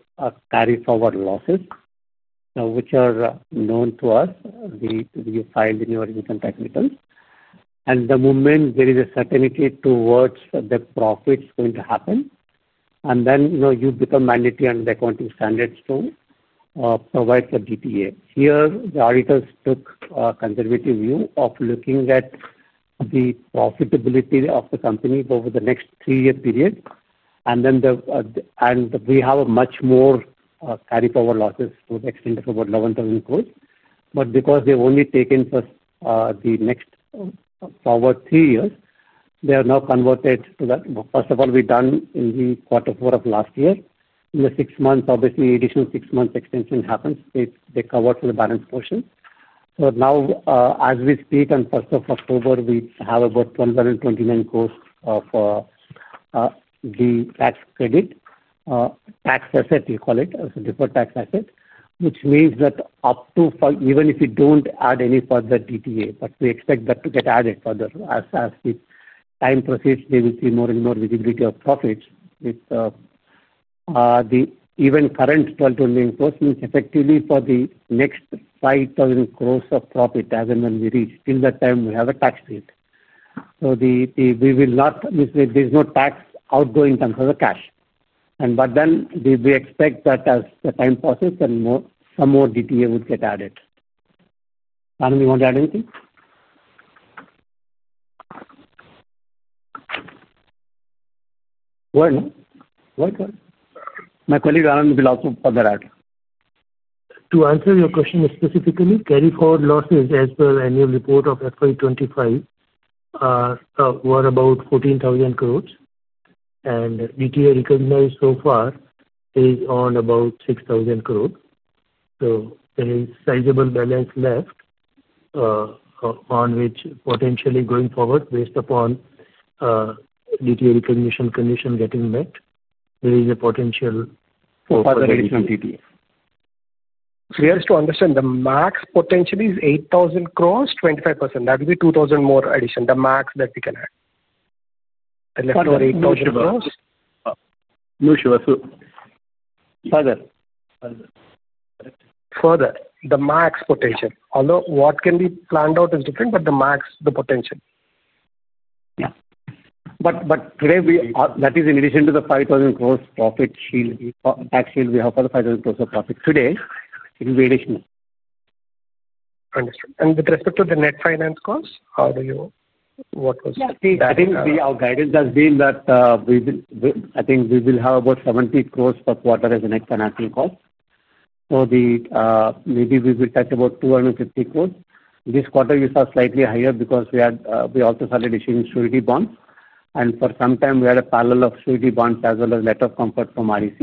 carry-forward losses, which are known to us, you filed in your income tax returns. The moment there is a certainty towards the profits going to happen, then you become mandatory under the accounting standards to provide for DTA. Here, the auditors took a conservative view of looking at the profitability of the company over the next three-year period. We have much more carry-forward losses to the extent of about 11,000 crore, but because they've only taken for the next forward three years, they are now converted to that. First of all, we've done in the quarter four of last year. In the six months, obviously, additional six months extension happens. They cover for the balance portion. Now, as we speak, on 1st of October, we have about 1,229 crore of the tax credit. Tax asset, we call it, as a deferred tax asset, which means that up to even if you don't add any further DTA, but we expect that to get added further. As the time proceeds, there will be more and more visibility of profits. Even current 1,229 crore means effectively for the next 5,000 crore of profit as and when we reach. Till that time, we have a tax period. There is no tax outgoing in terms of the cash. We expect that as the time passes, some more DTA would get added. Anon, you want to add anything? Go ahead. Go ahead. My colleague Anon will also further add. To answer your question specifically, carry-forward losses as per annual report of FY 2025 were about 14,000 crore. And DTA recognized so far is on about 6,000 crore. There is sizable balance left on which potentially going forward, based upon DTA recognition condition getting met, there is a potential. Further additional DTA. So just to understand, the max potential is 8,000 crore, 25%. That would be 2,000 crore more addition. The max that we can add. Left over 8,000 crore? No, Shiva. Further. Further, the max potential. Although what can be planned out is different, the max, the potential. Yeah. That is in addition to the 5,000 crore profit tax shield we have for the 5,000 crore of profit. Today, it is very small. Understood. With respect to the net finance costs, what was the? Our guidance has been that. I think we will have about 70 crore per quarter as a net financial cost. Maybe we will touch about 250 crore. This quarter, we saw slightly higher because we also started issuing surety bonds. For some time, we had a parallel of surety bonds as well as letter of comfort from REC.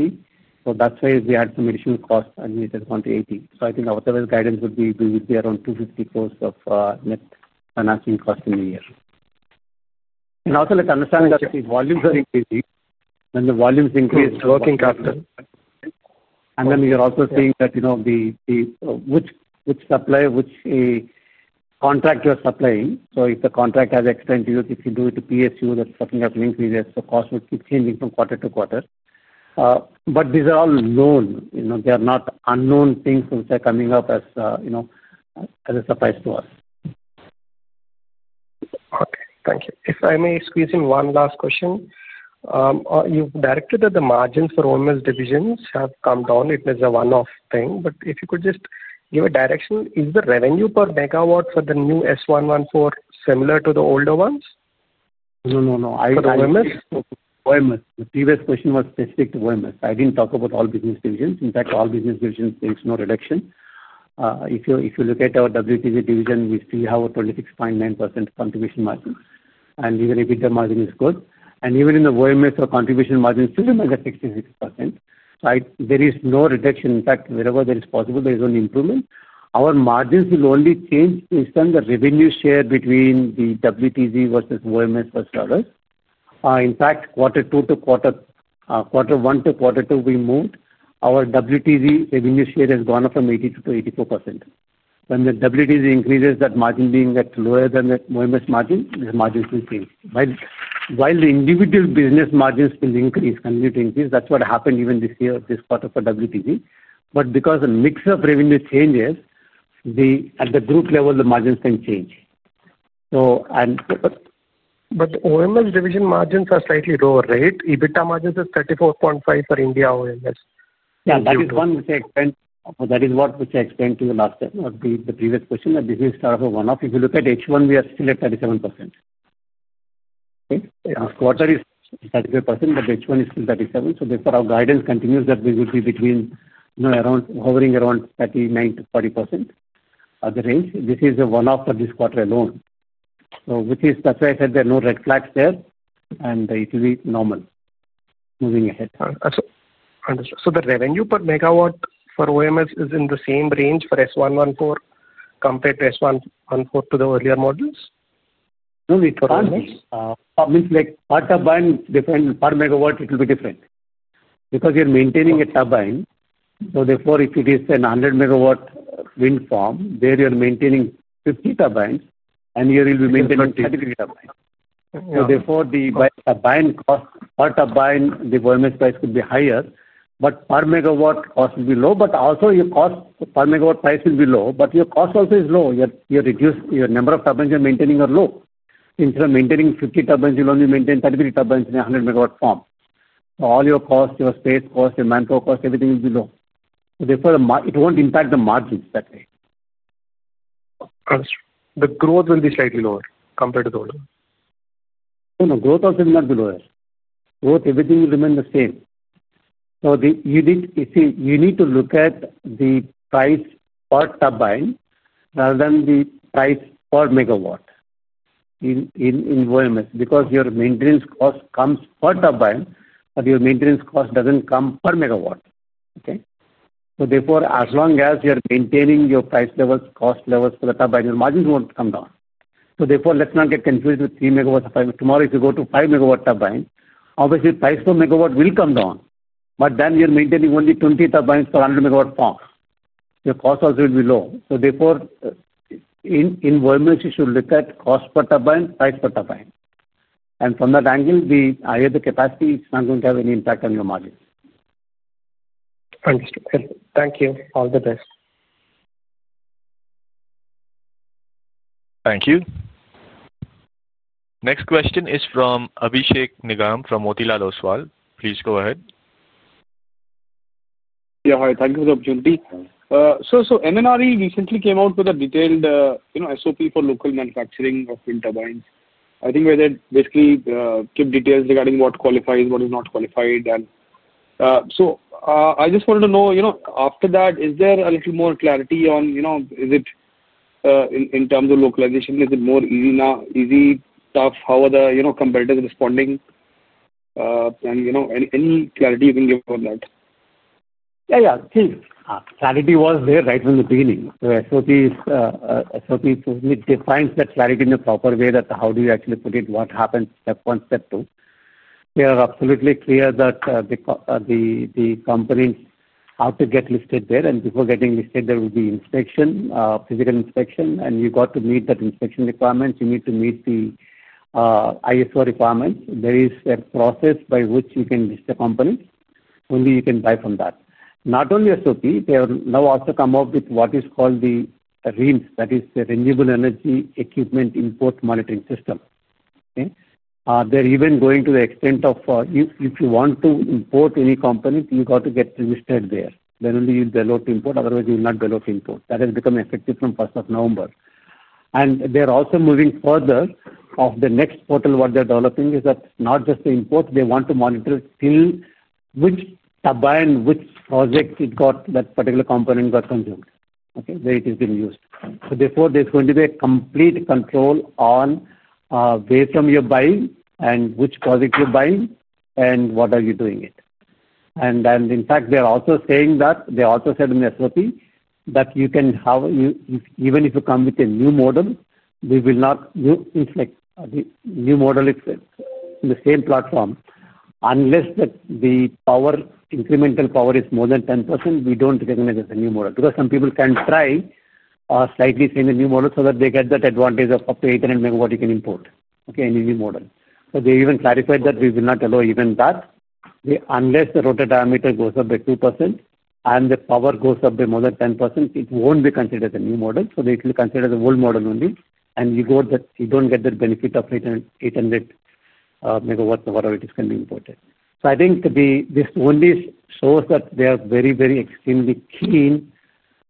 That is why we had some additional costs admitted onto 80 crore. Otherwise, guidance would be we would be around 250 crore of net financial cost in a year. Also, let's understand that if volumes are increasing, then the volumes increase working capital. We are also seeing that. Which contract you are supplying. If the contract has extended to you, if you do it to PSU, that is something that will increase as the cost would keep changing from quarter to quarter. These are all known. They are not unknown things which are coming up as a surprise to us. Okay. Thank you. If I may squeeze in one last question. You've directed that the margins for O&M divisions have come down. It is a one-off thing. If you could just give a direction, is the revenue per megawatt for the new S144 similar to the older ones? No, no. For O&M? O&M. The previous question was specific to O&M. I did not talk about all business divisions. In fact, all business divisions take no reduction. If you look at our WTG division, we still have a 26.9% contribution margin. And even if intermargin is good. And even in the O&M, our contribution margin still remains at 66%. There is no reduction. In fact, wherever there is possible, there is only improvement. Our margins will only change based on the revenue share between the WTG versus O&M versus others. In fact, quarter two to quarter one to quarter two, we moved. Our WTG revenue share has gone up from 82%-84%. When the WTG increases, that margin being at lower than the O&M margin, the margins will change. While the individual business margins will increase, continue to increase, that is what happened even this year, this quarter for WTG. Because the mix of revenue changes. At the group level, the margins can change. O&M division margins are slightly lower, right? EBITDA margin is 34.5% for India O&M. Yeah, that is one which I explained. That is what which I explained to you last time. The previous question, that this is sort of a one-off. If you look at H1, we are still at 37%. Okay. Quarter is 35%, but H1 is still 37%. Therefore, our guidance continues that we would be hovering around 39%-40%. This is a one-off for this quarter alone. That is why I said there are no red flags there. It will be normal moving ahead. Understood. So the revenue per megawatt for O&M is in the same range for S114 compared to S144 to the earlier models? No, it means like per turbine, different per megawatt, it will be different. Because you're maintaining a turbine, therefore, if it is a 100 MW wind farm, there you're maintaining 50 turbines, and here you'll be maintaining 33 turbines. Therefore, the per turbine, the O&M price could be higher, but per megawatt cost will be low. Also, your cost per megawatt price will be low, but your cost also is low. Your number of turbines you're maintaining are low. Instead of maintaining 50 turbines, you'll only maintain 33 turbines in a 100 MW farm. All your cost, your space cost, your manpower cost, everything will be low. Therefore, it won't impact the margins that way. Understood. The growth will be slightly lower compared to the older ones? No, no. Growth also will not be lower. Growth, everything will remain the same. You need to look at the price per turbine rather than the price per megawatt in O&M. Because your maintenance cost comes per turbine, but your maintenance cost does not come per megawatt. Okay? Therefore, as long as you are maintaining your price levels, cost levels for the turbine, your margins will not come down. Therefore, let us not get confused with 3 MW turbines. Tomorrow, if you go to a 5 MW turbine, obviously, price per megawatt will come down. Then you are maintaining only 20 turbines per 100 MW farm. Your cost also will be low. Therefore, in O&M, you should look at cost per turbine, price per turbine. From that angle, the higher the capacity, it is not going to have any impact on your margins. Understood. Thank you. All the best. Thank you. Next question is from Abhishek Nigam from Motilal Oswal. Please go ahead. Yeah, hi. Thank you for the opportunity. MNRE recently came out with a detailed SOP for local manufacturing of wind turbines. I think where they basically give details regarding what qualifies, what is not qualified. I just wanted to know, after that, is there a little more clarity on, in terms of localization, is it more easy, tough, how are the competitors responding? Any clarity you can give on that? Yeah, yeah. Clear. Clarity was there right from the beginning. The SOP defines that clarity in a proper way, that how do you actually put it, what happens, step one, step two. They are absolutely clear that the companies have to get listed there. And before getting listed, there will be inspection, physical inspection. And you got to meet that inspection requirement. You need to meet the ISO requirements. There is a process by which you can list the company. Only you can buy from that. Not only SOP, they have now also come up with what is called the REEMS, that is Renewable Energy Equipment Import Monitoring System. They're even going to the extent of if you want to import any company, you got to get registered there. Then only you'll be allowed to import. Otherwise, you will not be allowed to import. That has become effective from 1st of November. They're also moving further, the next portal, what they're developing is that not just the import, they want to monitor which turbine, which project that particular component got consumed, where it has been used. Therefore, there's going to be a complete control on where from you're buying and which project you're buying and what are you doing it. In fact, they also said in the SOP that you can, even if you come with a new model, we will not, it's like the new model is the same platform. Unless the incremental power is more than 10%, we don't recognize as a new model. Because some people can try slightly same as new model so that they get that advantage of up to 800 MW you can import, okay, in a new model. They even clarified that we will not allow even that. Unless the rotor diameter goes up by 2% and the power goes up by more than 10%, it won't be considered a new model. They will consider the old model only. You don't get the benefit of 800 MW of whatever it is can be imported. I think this only shows that they are very, very extremely keen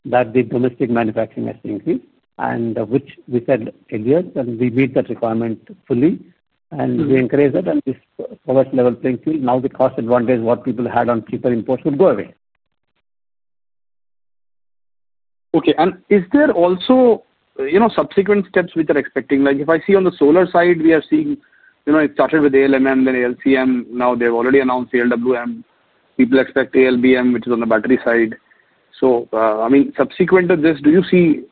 that the domestic manufacturing has to increase, which we said earlier, that we meet that requirement fully. We encourage that at this power level playing field. Now the cost advantage what people had on cheaper imports will go away. Okay. Is there also subsequent steps which are expecting? Like if I see on the solar side, we are seeing it started with ALMM, then ALCM. Now they've already announced ALWM. People expect ALBM, which is on the battery side. I mean, subsequent to this, do you see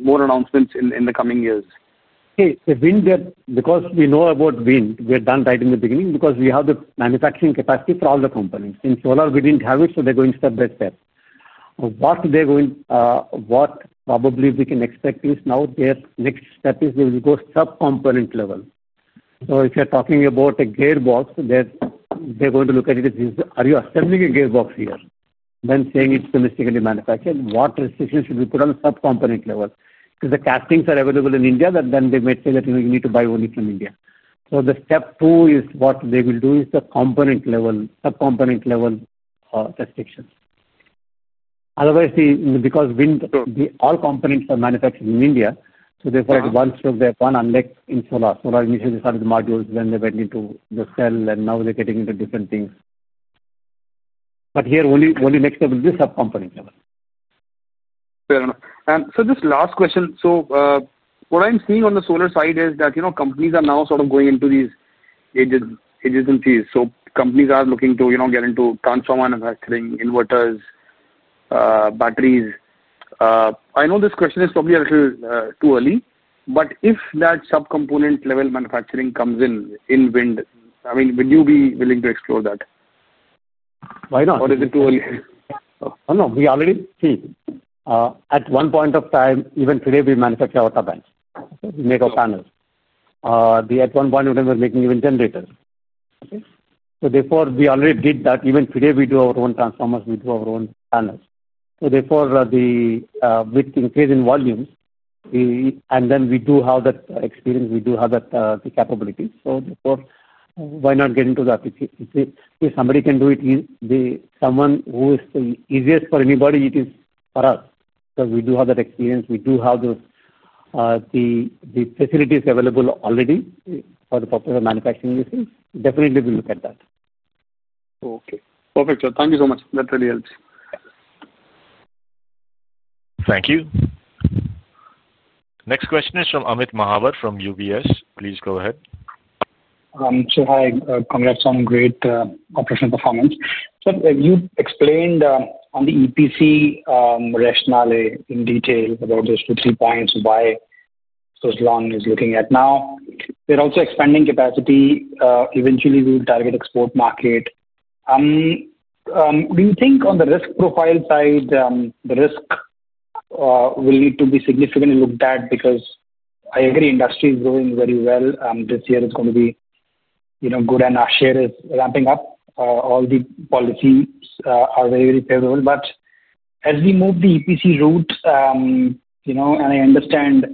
more announcements in the coming years? Okay. Because we know about wind, we're done right in the beginning because we have the manufacturing capacity for all the components. In solar, we didn't have it, so they're going step by step. What they're going, probably we can expect is now their next step is they will go sub-component level. If you're talking about a gearbox, they're going to look at it as, are you assembling a gearbox here? Then saying it's domestically manufactured. What restrictions should we put on sub-component level? Because the castings are available in India, then they may say that you need to buy only from India. The step two is what they will do is the component level, sub-component level restrictions. Otherwise, because all components are manufactured in India, at one stroke they have gone unless in solar. Solar initially started the modules when they went into the cell and now they're getting into different things. Here, only next step will be sub-component level. Fair enough. Just last question. What I'm seeing on the solar side is that companies are now sort of going into these ages and phases. Companies are looking to get into transformer manufacturing, inverters, batteries. I know this question is probably a little too early, but if that sub-component level manufacturing comes in wind, I mean, would you be willing to explore that? Why not? Or is it too early? No, no. We already see. At one point of time, even today, we manufacture our turbines. We make our panels. At one point, we were making even generators. Therefore, we already did that. Even today, we do our own transformers. We do our own panels. Therefore, with increase in volume, we do have that experience. We do have the capability. Therefore, why not get into that? If somebody can do it, someone who is the easiest for anybody, it is for us. Because we do have that experience. We do have the facilities available already for the popular manufacturing business. Definitely, we look at that. Okay. Perfect. Thank you so much. That really helps. Thank you. Next question is from Amit Mahawar from UBS. Please go ahead. Sure. Hi. Congrats on great operational performance. You explained on the EPC rationale in detail about those two, three points, why Suzlon is looking at now. They are also expanding capacity. Eventually, we will target export market. Do you think on the risk profile side, the risk will need to be significantly looked at? I agree, industry is growing very well. This year is going to be good, and our share is ramping up. All the policies are very, very favorable. As we move the EPC route, I understand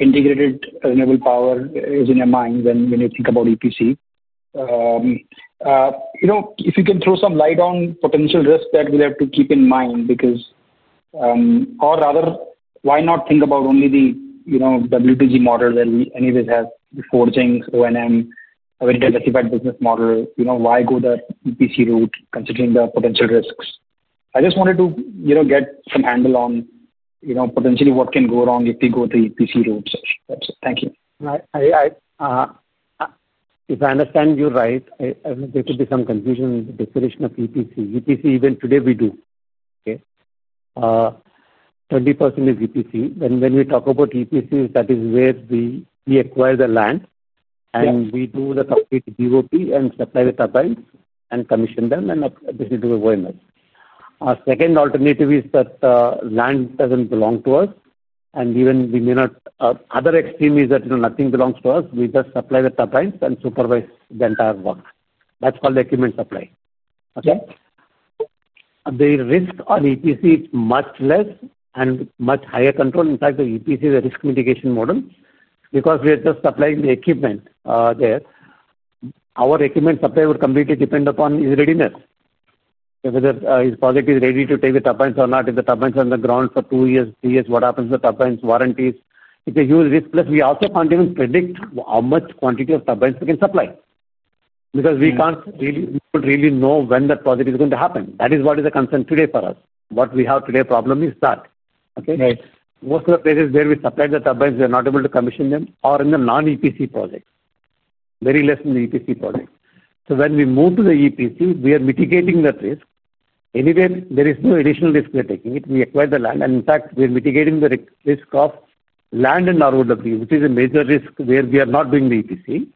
integrated renewable power is in your mind when you think about EPC. If you can throw some light on potential risk that we have to keep in mind because, or rather, why not think about only the WTG model that any of these have? The 4Gs, O&M, a very diversified business model. Why go the EPC route considering the potential risks? I just wanted to get some handle on potentially what can go wrong if we go the EPC route. Thank you. If I understand you right, there could be some confusion in the definition of EPC. EPC, even today, we do. Okay? 20% is EPC. When we talk about EPC, that is where we acquire the land. And we do the complete DOP and supply the turbines and commission them and administer to the O&M. Our second alternative is that land does not belong to us. And even we may not. Other extreme is that nothing belongs to us. We just supply the turbines and supervise the entire work. That is called the equipment supply. Okay? The risk on EPC is much less and much higher control. In fact, the EPC is a risk mitigation model. Because we are just supplying the equipment there, our equipment supply would completely depend upon its readiness. Whether it is positive, ready to take the turbines or not. If the turbines are on the ground for two years, three years, what happens to the turbines, warranties. It is a huge risk. Plus, we also cannot even predict how much quantity of turbines we can supply. Because we could really know when that project is going to happen. That is what is a concern today for us. What we have today's problem is that. Okay? Most of the places where we supplied the turbines, we are not able to commission them or in the non-EPC project. Very less in the EPC project. When we move to the EPC, we are mitigating that risk. Anyway, there is no additional risk we are taking. We acquired the land. In fact, we are mitigating the risk of land and ROW, which is a major risk where we are not doing the EPC.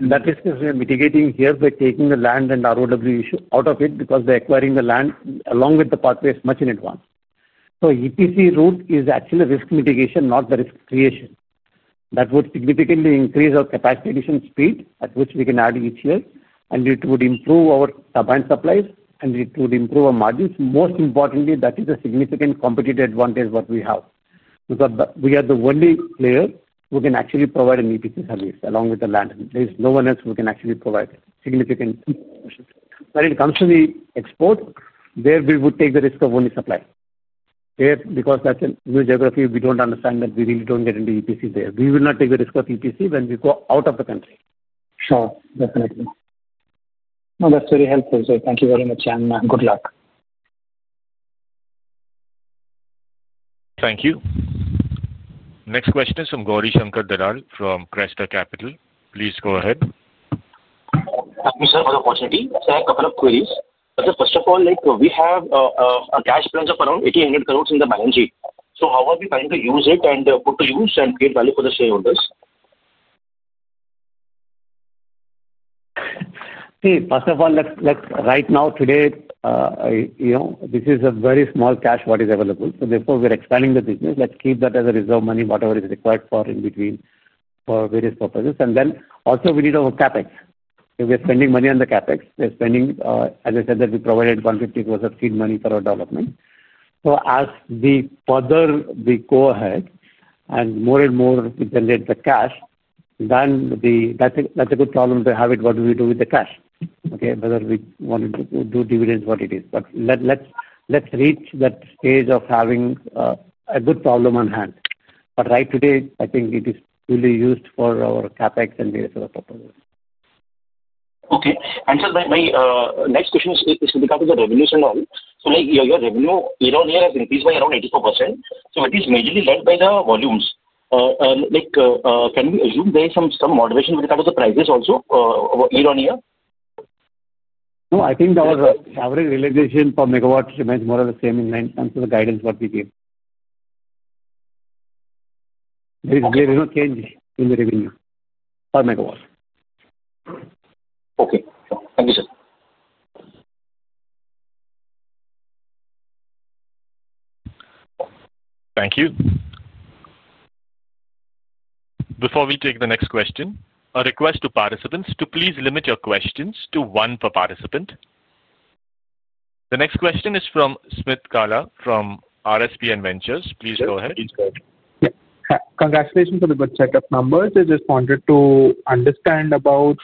That risk is we are mitigating here by taking the land and ROW issue out of it because we are acquiring the land along with the pathways much in advance. EPC route is actually a risk mitigation, not the risk creation. That would significantly increase our capacity addition speed at which we can add each year. It would improve our turbine supplies. It would improve our margins. Most importantly, that is a significant competitive advantage what we have. Because we are the only player who can actually provide an EPC service along with the land. There is no one else who can actually provide significant support. When it comes to the export, there we would take the risk of only supply. Because that is a new geography, we do not understand that we really do not get into EPC there. We will not take the risk of EPC when we go out of the country. Sure. Definitely. No, that's very helpful. Thank you very much and good luck. Thank you. Next question is from Gauri Shankar Dadhal from Cresta Capital. Please go ahead. Thank you, sir, for the opportunity. I have a couple of queries. First of all, we have a cash plunge of around 8,000,000,000 in the balance sheet. How are we planning to use it and put to use and create value for the shareholders? See, first of all, right now, today. This is a very small cash what is available. Therefore, we're expanding the business. Let's keep that as a reserve money, whatever is required for in between for various purposes. Also, we need our CapEx. If we're spending money on the CapEx, we're spending, as I said, that we provided 150% seed money for our development. As we further go ahead and more and more we generate the cash, then that's a good problem to have it. What do we do with the cash? Okay? Whether we wanted to do dividends, what it is. Let's reach that stage of having a good problem on hand. Right today, I think it is fully used for our CapEx and various other purposes. Okay. My next question is with regard to the revenues and all. Your revenue year-on-year has increased by around 84%. It is majorly led by the volumes. Can we assume there is some moderation with regard to the prices also year-on-year? No, I think our average realization per megawatt remains more or less the same in line with the guidance what we gave. There is no change in the revenue per megawatt. Okay. Thank you, sir. Thank you. Before we take the next question, a request to participants to please limit your questions to one per participant. The next question is from Smith Gala from RSPN Ventures. Please go ahead. Yes. Congratulations for the good set of numbers. I just wanted to understand about,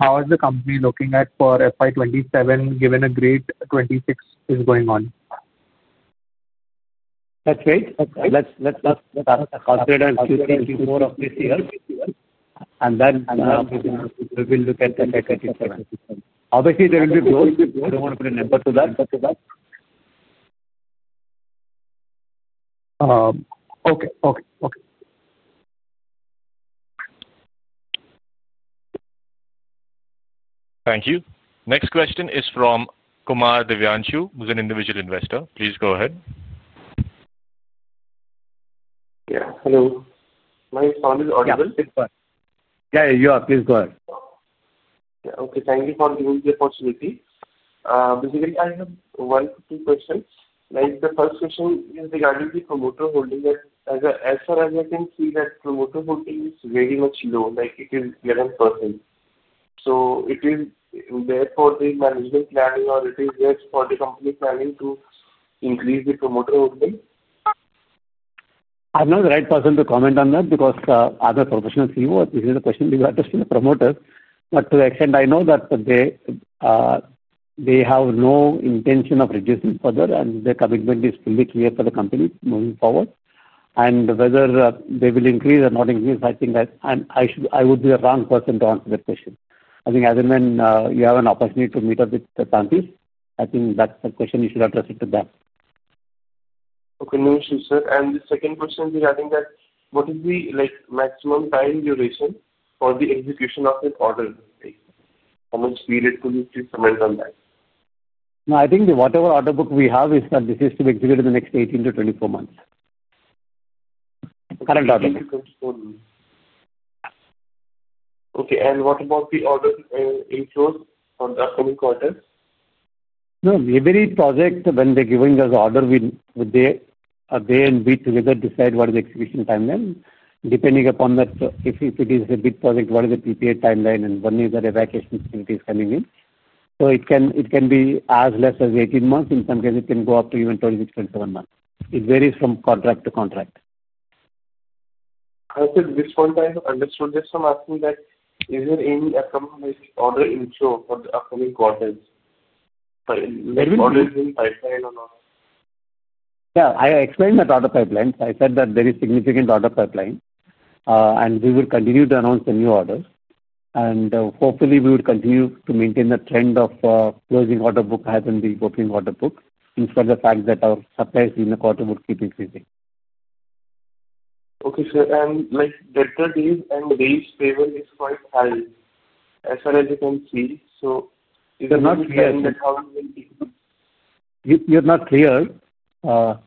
how is the company looking at for FY 2027 given a great 2026 is going on? That's great. Let's consider Q3, Q4 of this year. Then we will look at the FY 2027. Obviously, there will be growth. I don't want to put a number to that. Okay. Thank you. Next question is from Kumar Divyanshu, who's an individual investor. Please go ahead. Yeah. Hello. Is my sound audible? Yeah. You are. Please go ahead. Okay. Thank you for giving me the opportunity. Basically, I have one or two questions. The first question is regarding the promoter holding. As far as I can see, that promoter holding is very much low. It is 11%. Is there for the management planning, or is there for the company planning to increase the promoter holding? I'm not the right person to comment on that because as a professional CEO, this is a question regarding the promoters. To the extent I know that, they have no intention of reducing further, and the commitment is fully clear for the company moving forward. Whether they will increase or not increase, I think I would be the wrong person to answer that question. I think as and when you have an opportunity to meet up with the promoters, I think that's the question you should address to them. Okay. No issues, sir. The second question is, I think that what is the maximum time duration for the execution of an order? How much period could you comment on that? No, I think whatever order book we have is that this is to be executed in the next 18 to 24 months. Current order book. 18 to 24 months. Okay. And what about the order in close for the upcoming quarter? No, every project, when they're giving us order, they, a day and we together decide what is the execution timeline. Depending upon that, if it is a big project, what is the PPA timeline and when is that evacuation facility is coming in? It can be as less as 18 months. In some cases, it can go up to even 26, 27 months. It varies from contract to contract. I said this one time, I understood this from asking that, is there any upcoming order in close for the upcoming quarters? There will be. Is it in pipeline or not? Yeah. I explained that order pipeline. I said that there is significant order pipeline. We will continue to announce the new orders. Hopefully, we would continue to maintain the trend of closing order book as in the opening order book instead of the fact that our supplies in the quarter would keep increasing. Okay, sir. Debtor date and base payment is quite high, as far as you can see. Is that clear in that how we will be? You're not clear. Can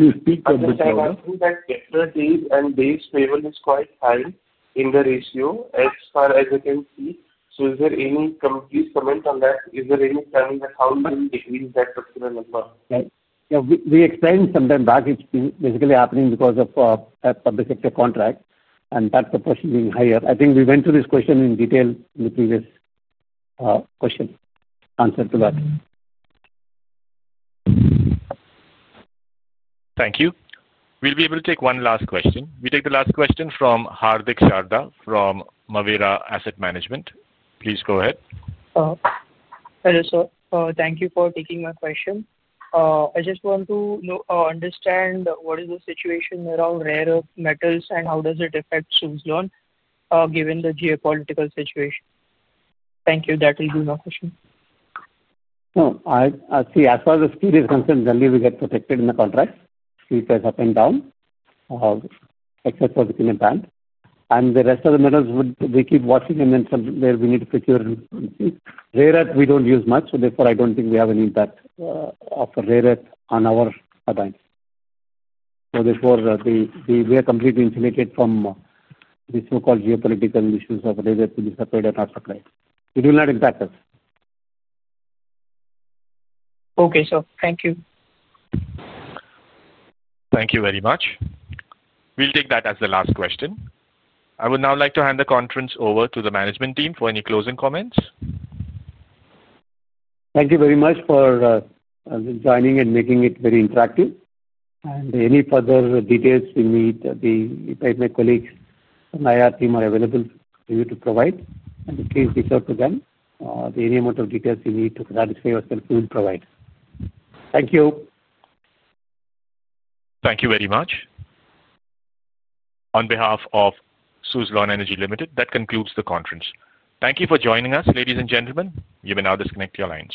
you speak a bit louder? As far as I can see, that debtor date and base payment is quite high in the ratio, as far as I can see. Is there any complete comment on that? Is there any planning that how you will decrease that particular number? Yeah. We explained sometime back it's basically happening because of a public sector contract, and that's the portion being higher. I think we went through this question in detail in the previous question. Answer to that. Thank you. We'll be able to take one last question. We take the last question from Hardik Sharda from Mavera Asset Management. Please go ahead. Hello, sir. Thank you for taking my question. I just want to understand what is the situation around rare earth metals and how does it affect Suzlon given the geopolitical situation. Thank you. That will be my question. No. See, as far as the speed is concerned, generally, we get protected in the contract. Speed does up and down. Except for the cleaning plant. The rest of the metals we keep watching, and then somewhere we need to procure. Rare earth, we do not use much. Therefore, I do not think we have any impact of rare earth on our plants. Therefore, we are completely insulated from the so-called geopolitical issues of rare earth being supplied or not supplied. It will not impact us. Okay, sir. Thank you. Thank you very much. We'll take that as the last question. I would now like to hand the conference over to the management team for any closing comments. Thank you very much for joining and making it very interactive. Any further details we need, my colleagues, Nayar team, are available for you to provide. Please reach out to them. Any amount of details you need to satisfy yourself, we will provide. Thank you. Thank you very much. On behalf of Suzlon Energy Limited, that concludes the conference. Thank you for joining us, ladies and gentlemen. You may now disconnect your lines.